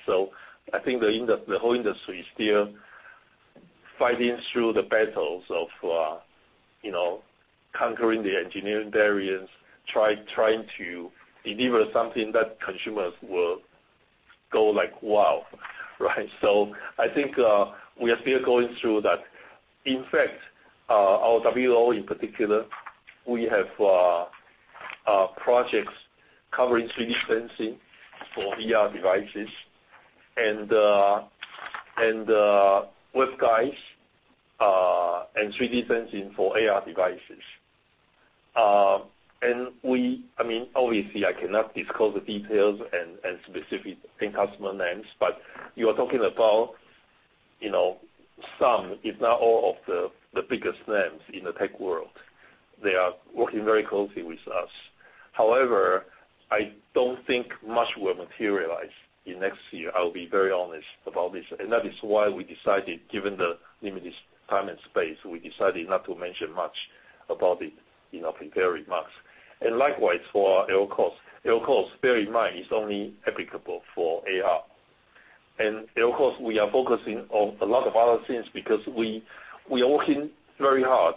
I think the whole industry is still fighting through the battles of, you know, conquering the engineering barriers, trying to deliver something that consumers will go like, "Wow." Right? I think we are still going through that. In fact, our WLO in particular, we have projects covering 3D Sensing for VR devices and waveguides and 3D Sensing for AR devices. I mean, obviously, I cannot disclose the details and specific end customer names, but you are talking about, you know, some, if not all, of the biggest names in the tech world. They are working very closely with us. However, I don't think much will materialize in next year. I'll be very honest about this. That is why we decided, given the limited time and space, we decided not to mention much about it in our prepared remarks. Likewise for LCOS. LCOS, bear in mind, is only applicable for AR. LCOS, we are focusing on a lot of other things because we are working very hard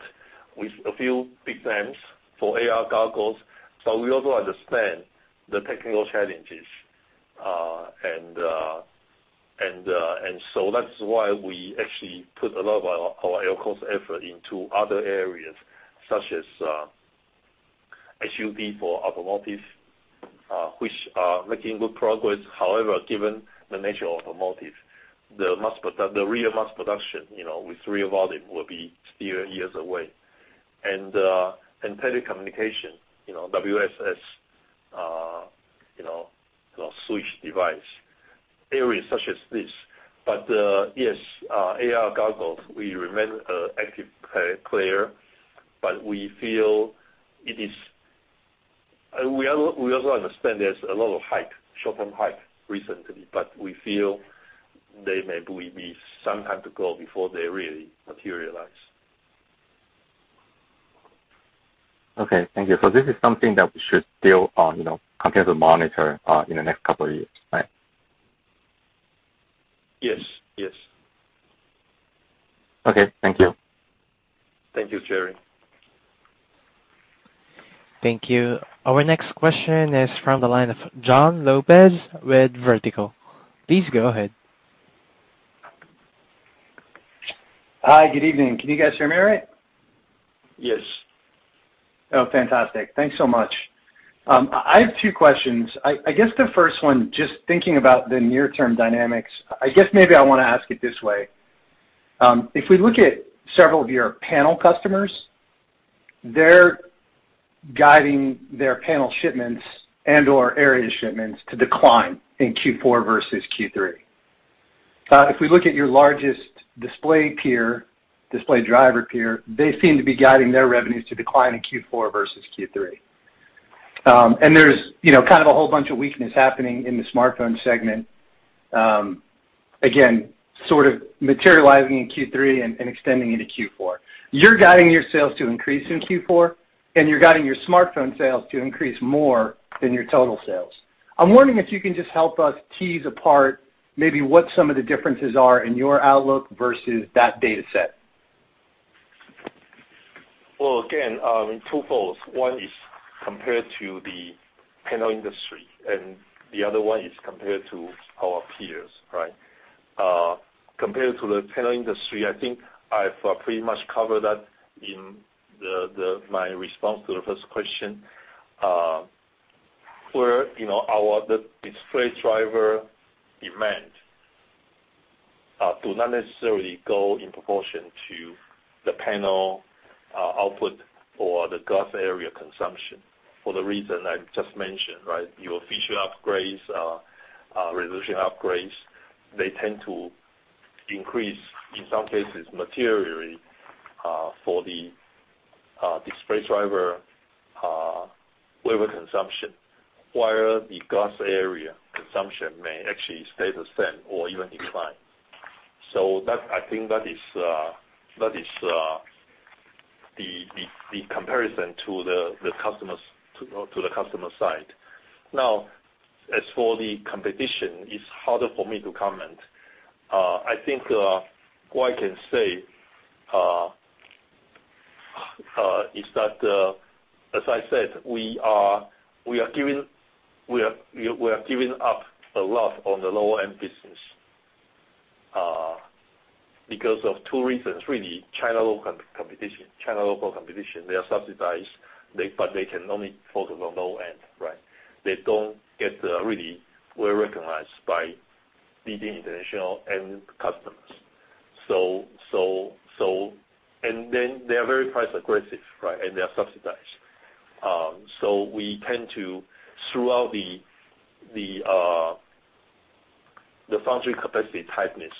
with a few big names for AR goggles, but we also understand the technical challenges. That's why we actually put a lot of our LCOS effort into other areas, such as HUD for automotive, which are making good progress. However, given the nature of automotive, the real mass production, you know, with real volume will be still years away. Telecommunication, you know, WSS, switch device. Areas such as this. AR goggles, we remain active player, but we feel it is. We also understand there's a lot of hype, short-term hype recently, but we feel there may be some time to go before they really materialize. Okay, thank you. This is something that we should still, you know, continue to monitor, in the next couple of years, right? Yes. Yes. Okay. Thank you. Thank you, Jerry. Thank you. Our next question is from the line of Jon Lopez with Vertical. Please go ahead. Hi, good evening. Can you guys hear me all right? Yes. Oh, fantastic. Thanks so much. I have two questions. I guess the first one, just thinking about the near term dynamics, I guess maybe I wanna ask it this way. If we look at several of your panel customers, they're guiding their panel shipments and/or area shipments to decline in Q4 versus Q3. If we look at your largest display peer, display driver peer, they seem to be guiding their revenues to decline in Q4 versus Q3. There's, you know, kind of a whole bunch of weakness happening in the smartphone segment, again, sort of materializing in Q3 and extending into Q4. You're guiding your sales to increase in Q4, and you're guiding your smartphone sales to increase more than your total sales. I'm wondering if you can just help us tease apart maybe what some of the differences are in your outlook versus that data set. Well, again, in two folds, one is compared to the panel industry, and the other one is compared to our peers, right? Compared to the panel industry, I think I've pretty much covered that in my response to the first question. Where you know, the display driver demand do not necessarily go in proportion to the panel output or the glass area consumption for the reason I just mentioned, right? Our feature upgrades, resolution upgrades, they tend to increase, in some cases, materially, for the display driver wafer consumption, while the glass area consumption may actually stay the same or even decline. That, I think that is the comparison to the customers to the customer side. Now, as for the competition, it's harder for me to comment. I think what I can say is that, as I said, we are giving up a lot on the lower-end business because of two reasons really. Chinese local competition, they are subsidized, but they can only focus on low-end, right? They don't get really well-recognized by leading international end customers. Then they are very price-aggressive, right? And they are subsidized. So we tend to, throughout the foundry capacity tightness,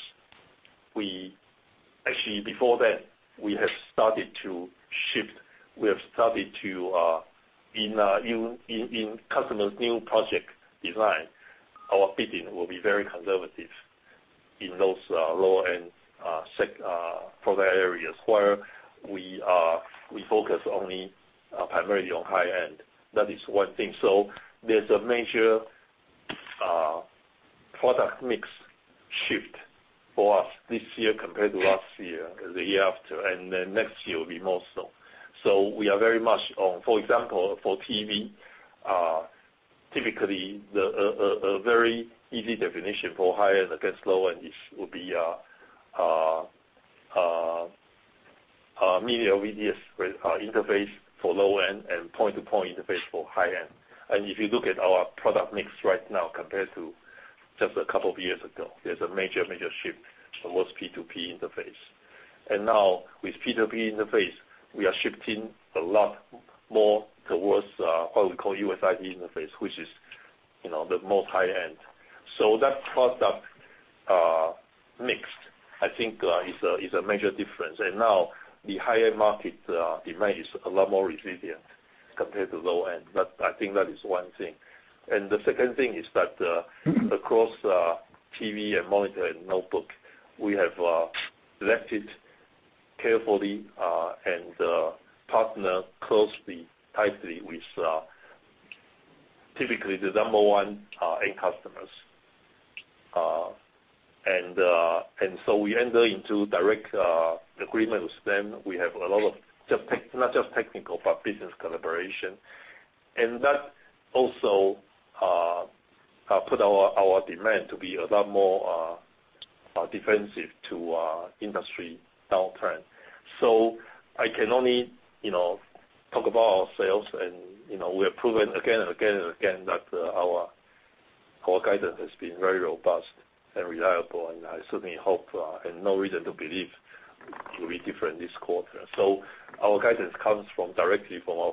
actually before that, we have started to shift. We have started to in customers' new project design, our bidding will be very conservative in those low-end segment product areas, where we focus only primarily on high-end. That is one thing. There's a major product mix shift for us this year compared to last year and the year after. Next year will be more so. For example, for TV, typically the very easy definition for high end against low end is a mini-LVDS interface for low end and point-to-point interface for high end. If you look at our product mix right now compared to just a couple of years ago, there's a major shift towards P2P interface. Now with P2P interface, we are shifting a lot more towards what we call USI interface, which is, you know, the most high end. That product mix, I think, is a major difference. Now the high-end market demand is a lot more resilient compared to low-end. That, I think, is one thing. The second thing is that across TV and monitor and notebook, we have selected carefully and partner closely, tightly with typically the number one end customers. We enter into direct agreement with them. We have a lot of not just technical, but business collaboration. That also put our demand to be a lot more defensive to industry downtrend. I can only, you know, talk about ourselves and, you know, we have proven again and again and again that, our guidance has been very robust and reliable, and I certainly hope, and no reason to believe it will be different this quarter. Our guidance comes directly from our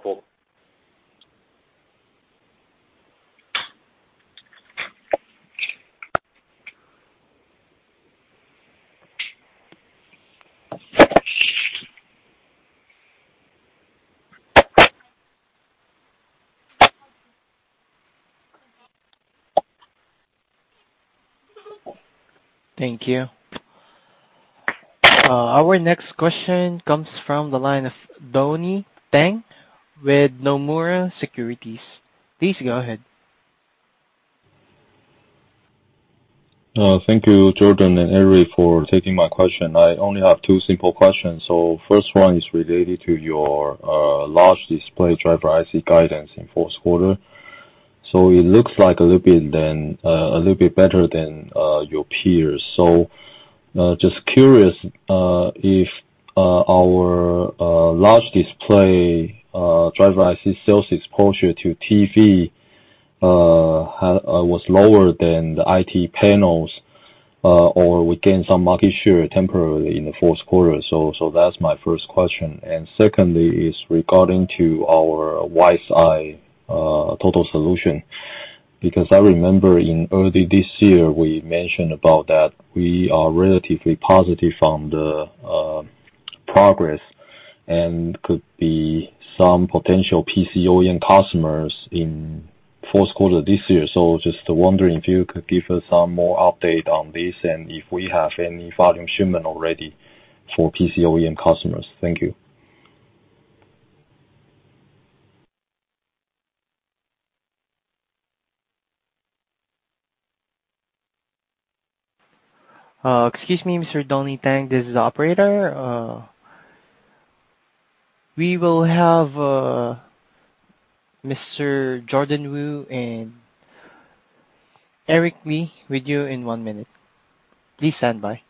for- Thank you. Our next question comes from the line of Donnie Teng with Nomura Securities. Please go ahead. Thank you, Jordan and Eric, for taking my question. I only have two simple questions. First one is related to your large display driver IC guidance in fourth quarter. It looks like a little bit than a little bit better than your peers. Just curious if our large display driver IC sales exposure to TV was lower than the IT panels or we gain some market share temporarily in the fourth quarter. That's my first question. Secondly is regarding to our WiseEye total solution, because I remember in early this year we mentioned about that we are relatively positive on the progress and could be some potential PC OEM customers in fourth quarter this year. Just wondering if you could give us some more update on this and if we have any volume shipment already for PC OEM customers? Thank you. Excuse me, Mr. Donnie Teng, this is operator. We will have Mr. Jordan Wu and Eric Li with you in one minute. Please stand by.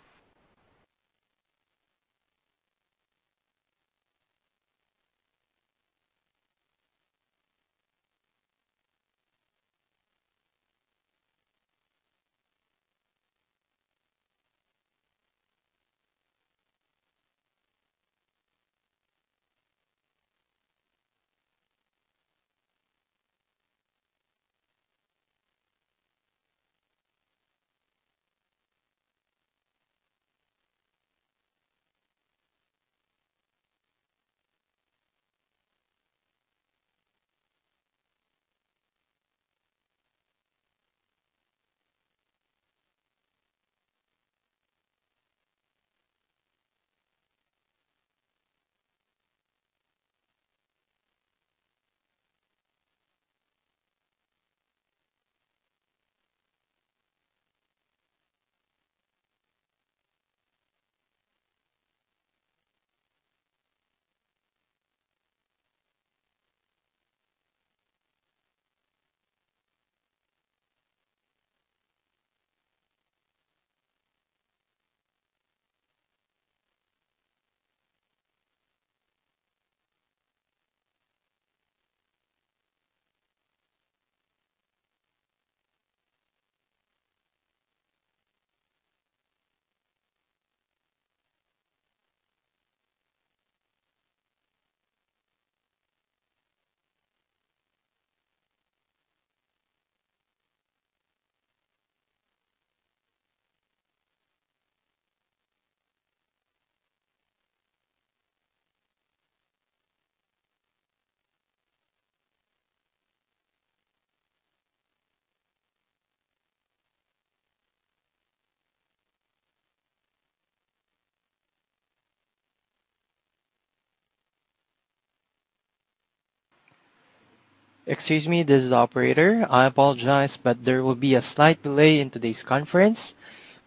Excuse me, this is operator. I apologize, but there will be a slight delay in today's conference.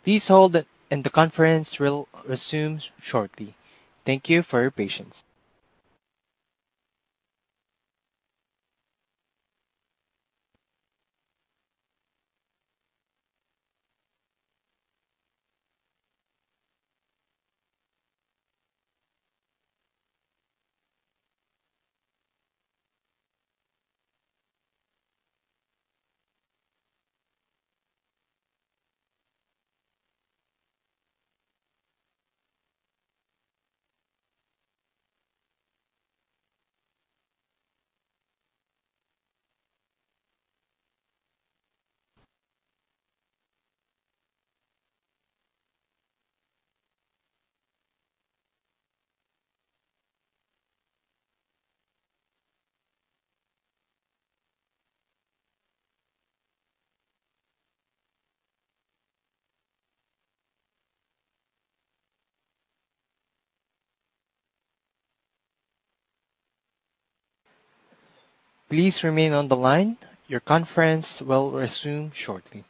Please hold, and the conference will resume shortly. Thank you for your patience. Please remain on the line. Your conference will resume shortly.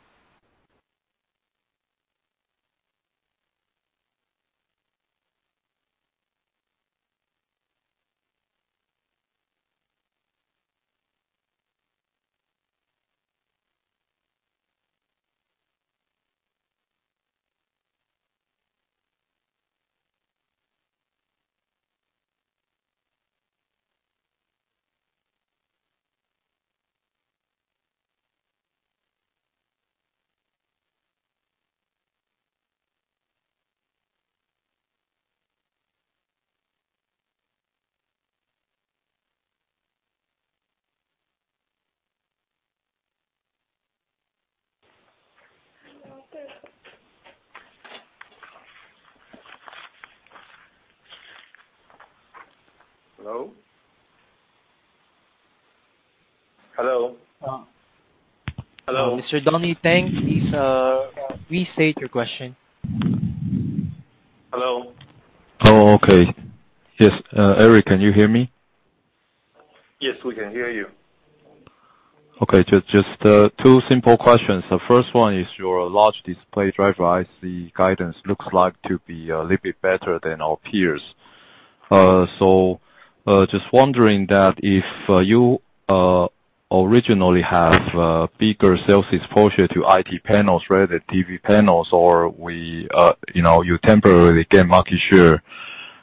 Hello? Hello. Hello. Mr. Donnie Teng, please, restate your question. Hello. Oh, okay. Yes. Eric, can you hear me? Yes, we can hear you. Okay. Just two simple questions. The first one is your large display driver IC guidance looks like to be a little bit better than our peers. So just wondering that if you originally have bigger sales exposure to IT panels rather than TV panels or you know, you temporarily gain market share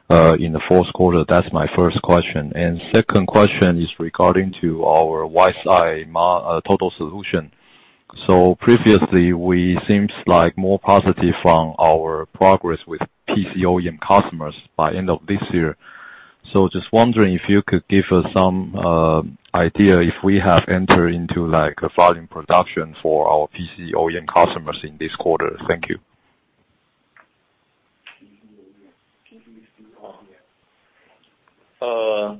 in the fourth quarter. That's my first question. Second question is regarding to our WiseEye total solution. So previously, we seems like more positive on our progress with PC OEM customers by end of this year. So just wondering if you could give us some idea if we have entered into, like, a volume production for our PC OEM customers in this quarter. Thank you. The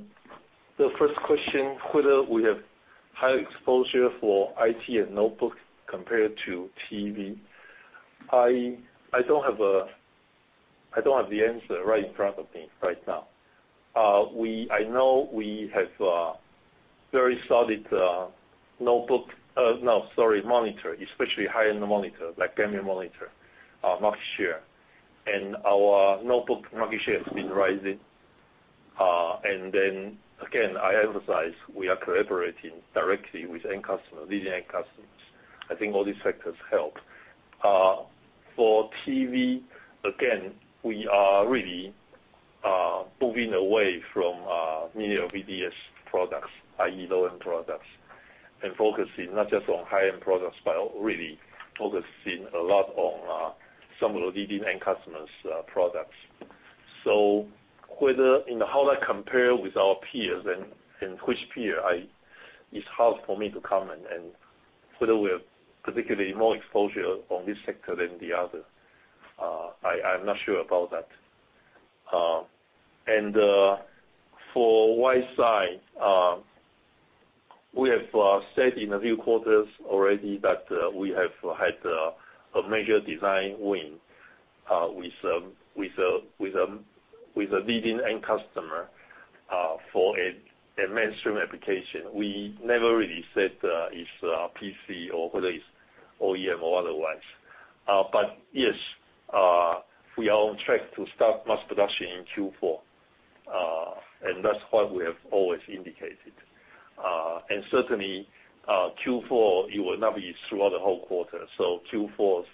first question, whether we have high exposure for IT and notebook compared to TV. I don't have the answer right in front of me right now. I know we have very solid notebook—no, sorry, monitor, especially high-end monitor, like gaming monitor, market share. Our notebook market share has been rising. I emphasize we are collaborating directly with end customer, leading end customers. I think all these factors help. For TV, again, we are really moving away from mini-LVDS products, i.e., low-end products, and focusing not just on high-end products, but really focusing a lot on some of the leading end customers products. How that compares with our peers and which peer, it's hard for me to comment. Whether we have particularly more exposure on this sector than the other, I'm not sure about that. For WiseEye, we have said in a few quarters already that we have had a major design win with a leading end customer for a mainstream application. We never really said if PC or whether it's OEM or otherwise. We are on track to start mass production in Q4, and that's what we have always indicated. Certainly, Q4 it will not be throughout the whole quarter. Q4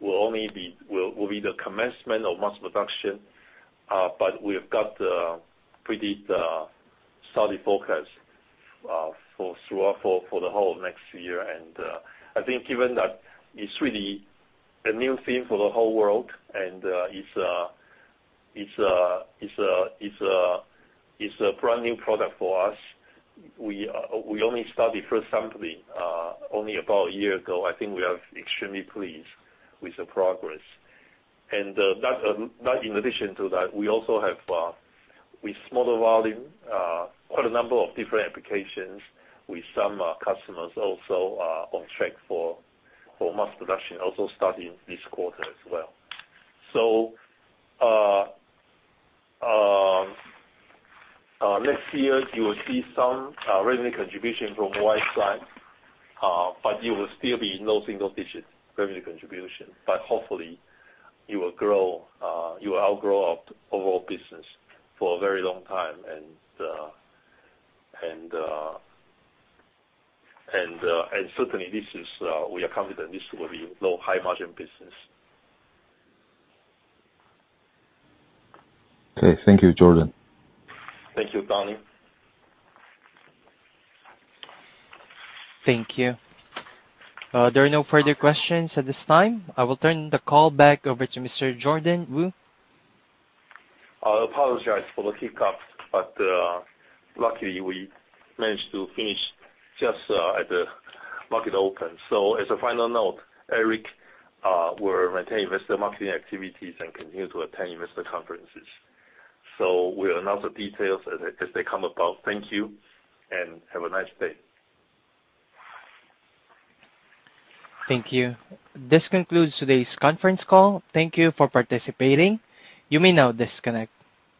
will only be the commencement of mass production, but we have got pretty solid focus for the whole of next year. I think given that it's really a new thing for the whole world and it's a brand new product for us, we only started first sampling only about a year ago. I think we are extremely pleased with the progress. That in addition to that, we also have with smaller volume quite a number of different applications with some customers also on track for mass production, also starting this quarter as well. Next year you will see some revenue contribution from WiseEye, but it will still be low single-digits revenue contribution. Hopefully it will grow, it will outgrow our overall business for a very long time. We are confident this will be low, high margin business. Okay. Thank you, Jordan. Thank you, Donnie. Thank you. There are no further questions at this time. I will turn the call back over to Mr. Jordan Wu. I apologize for the hiccups, but, luckily we managed to finish just, at the market open. As a final note, Eric will retain investor marketing activities and continue to attend investor conferences. We'll announce the details as they come about. Thank you, and have a nice day. Thank you. This concludes today's conference call. Thank you for participating. You may now disconnect.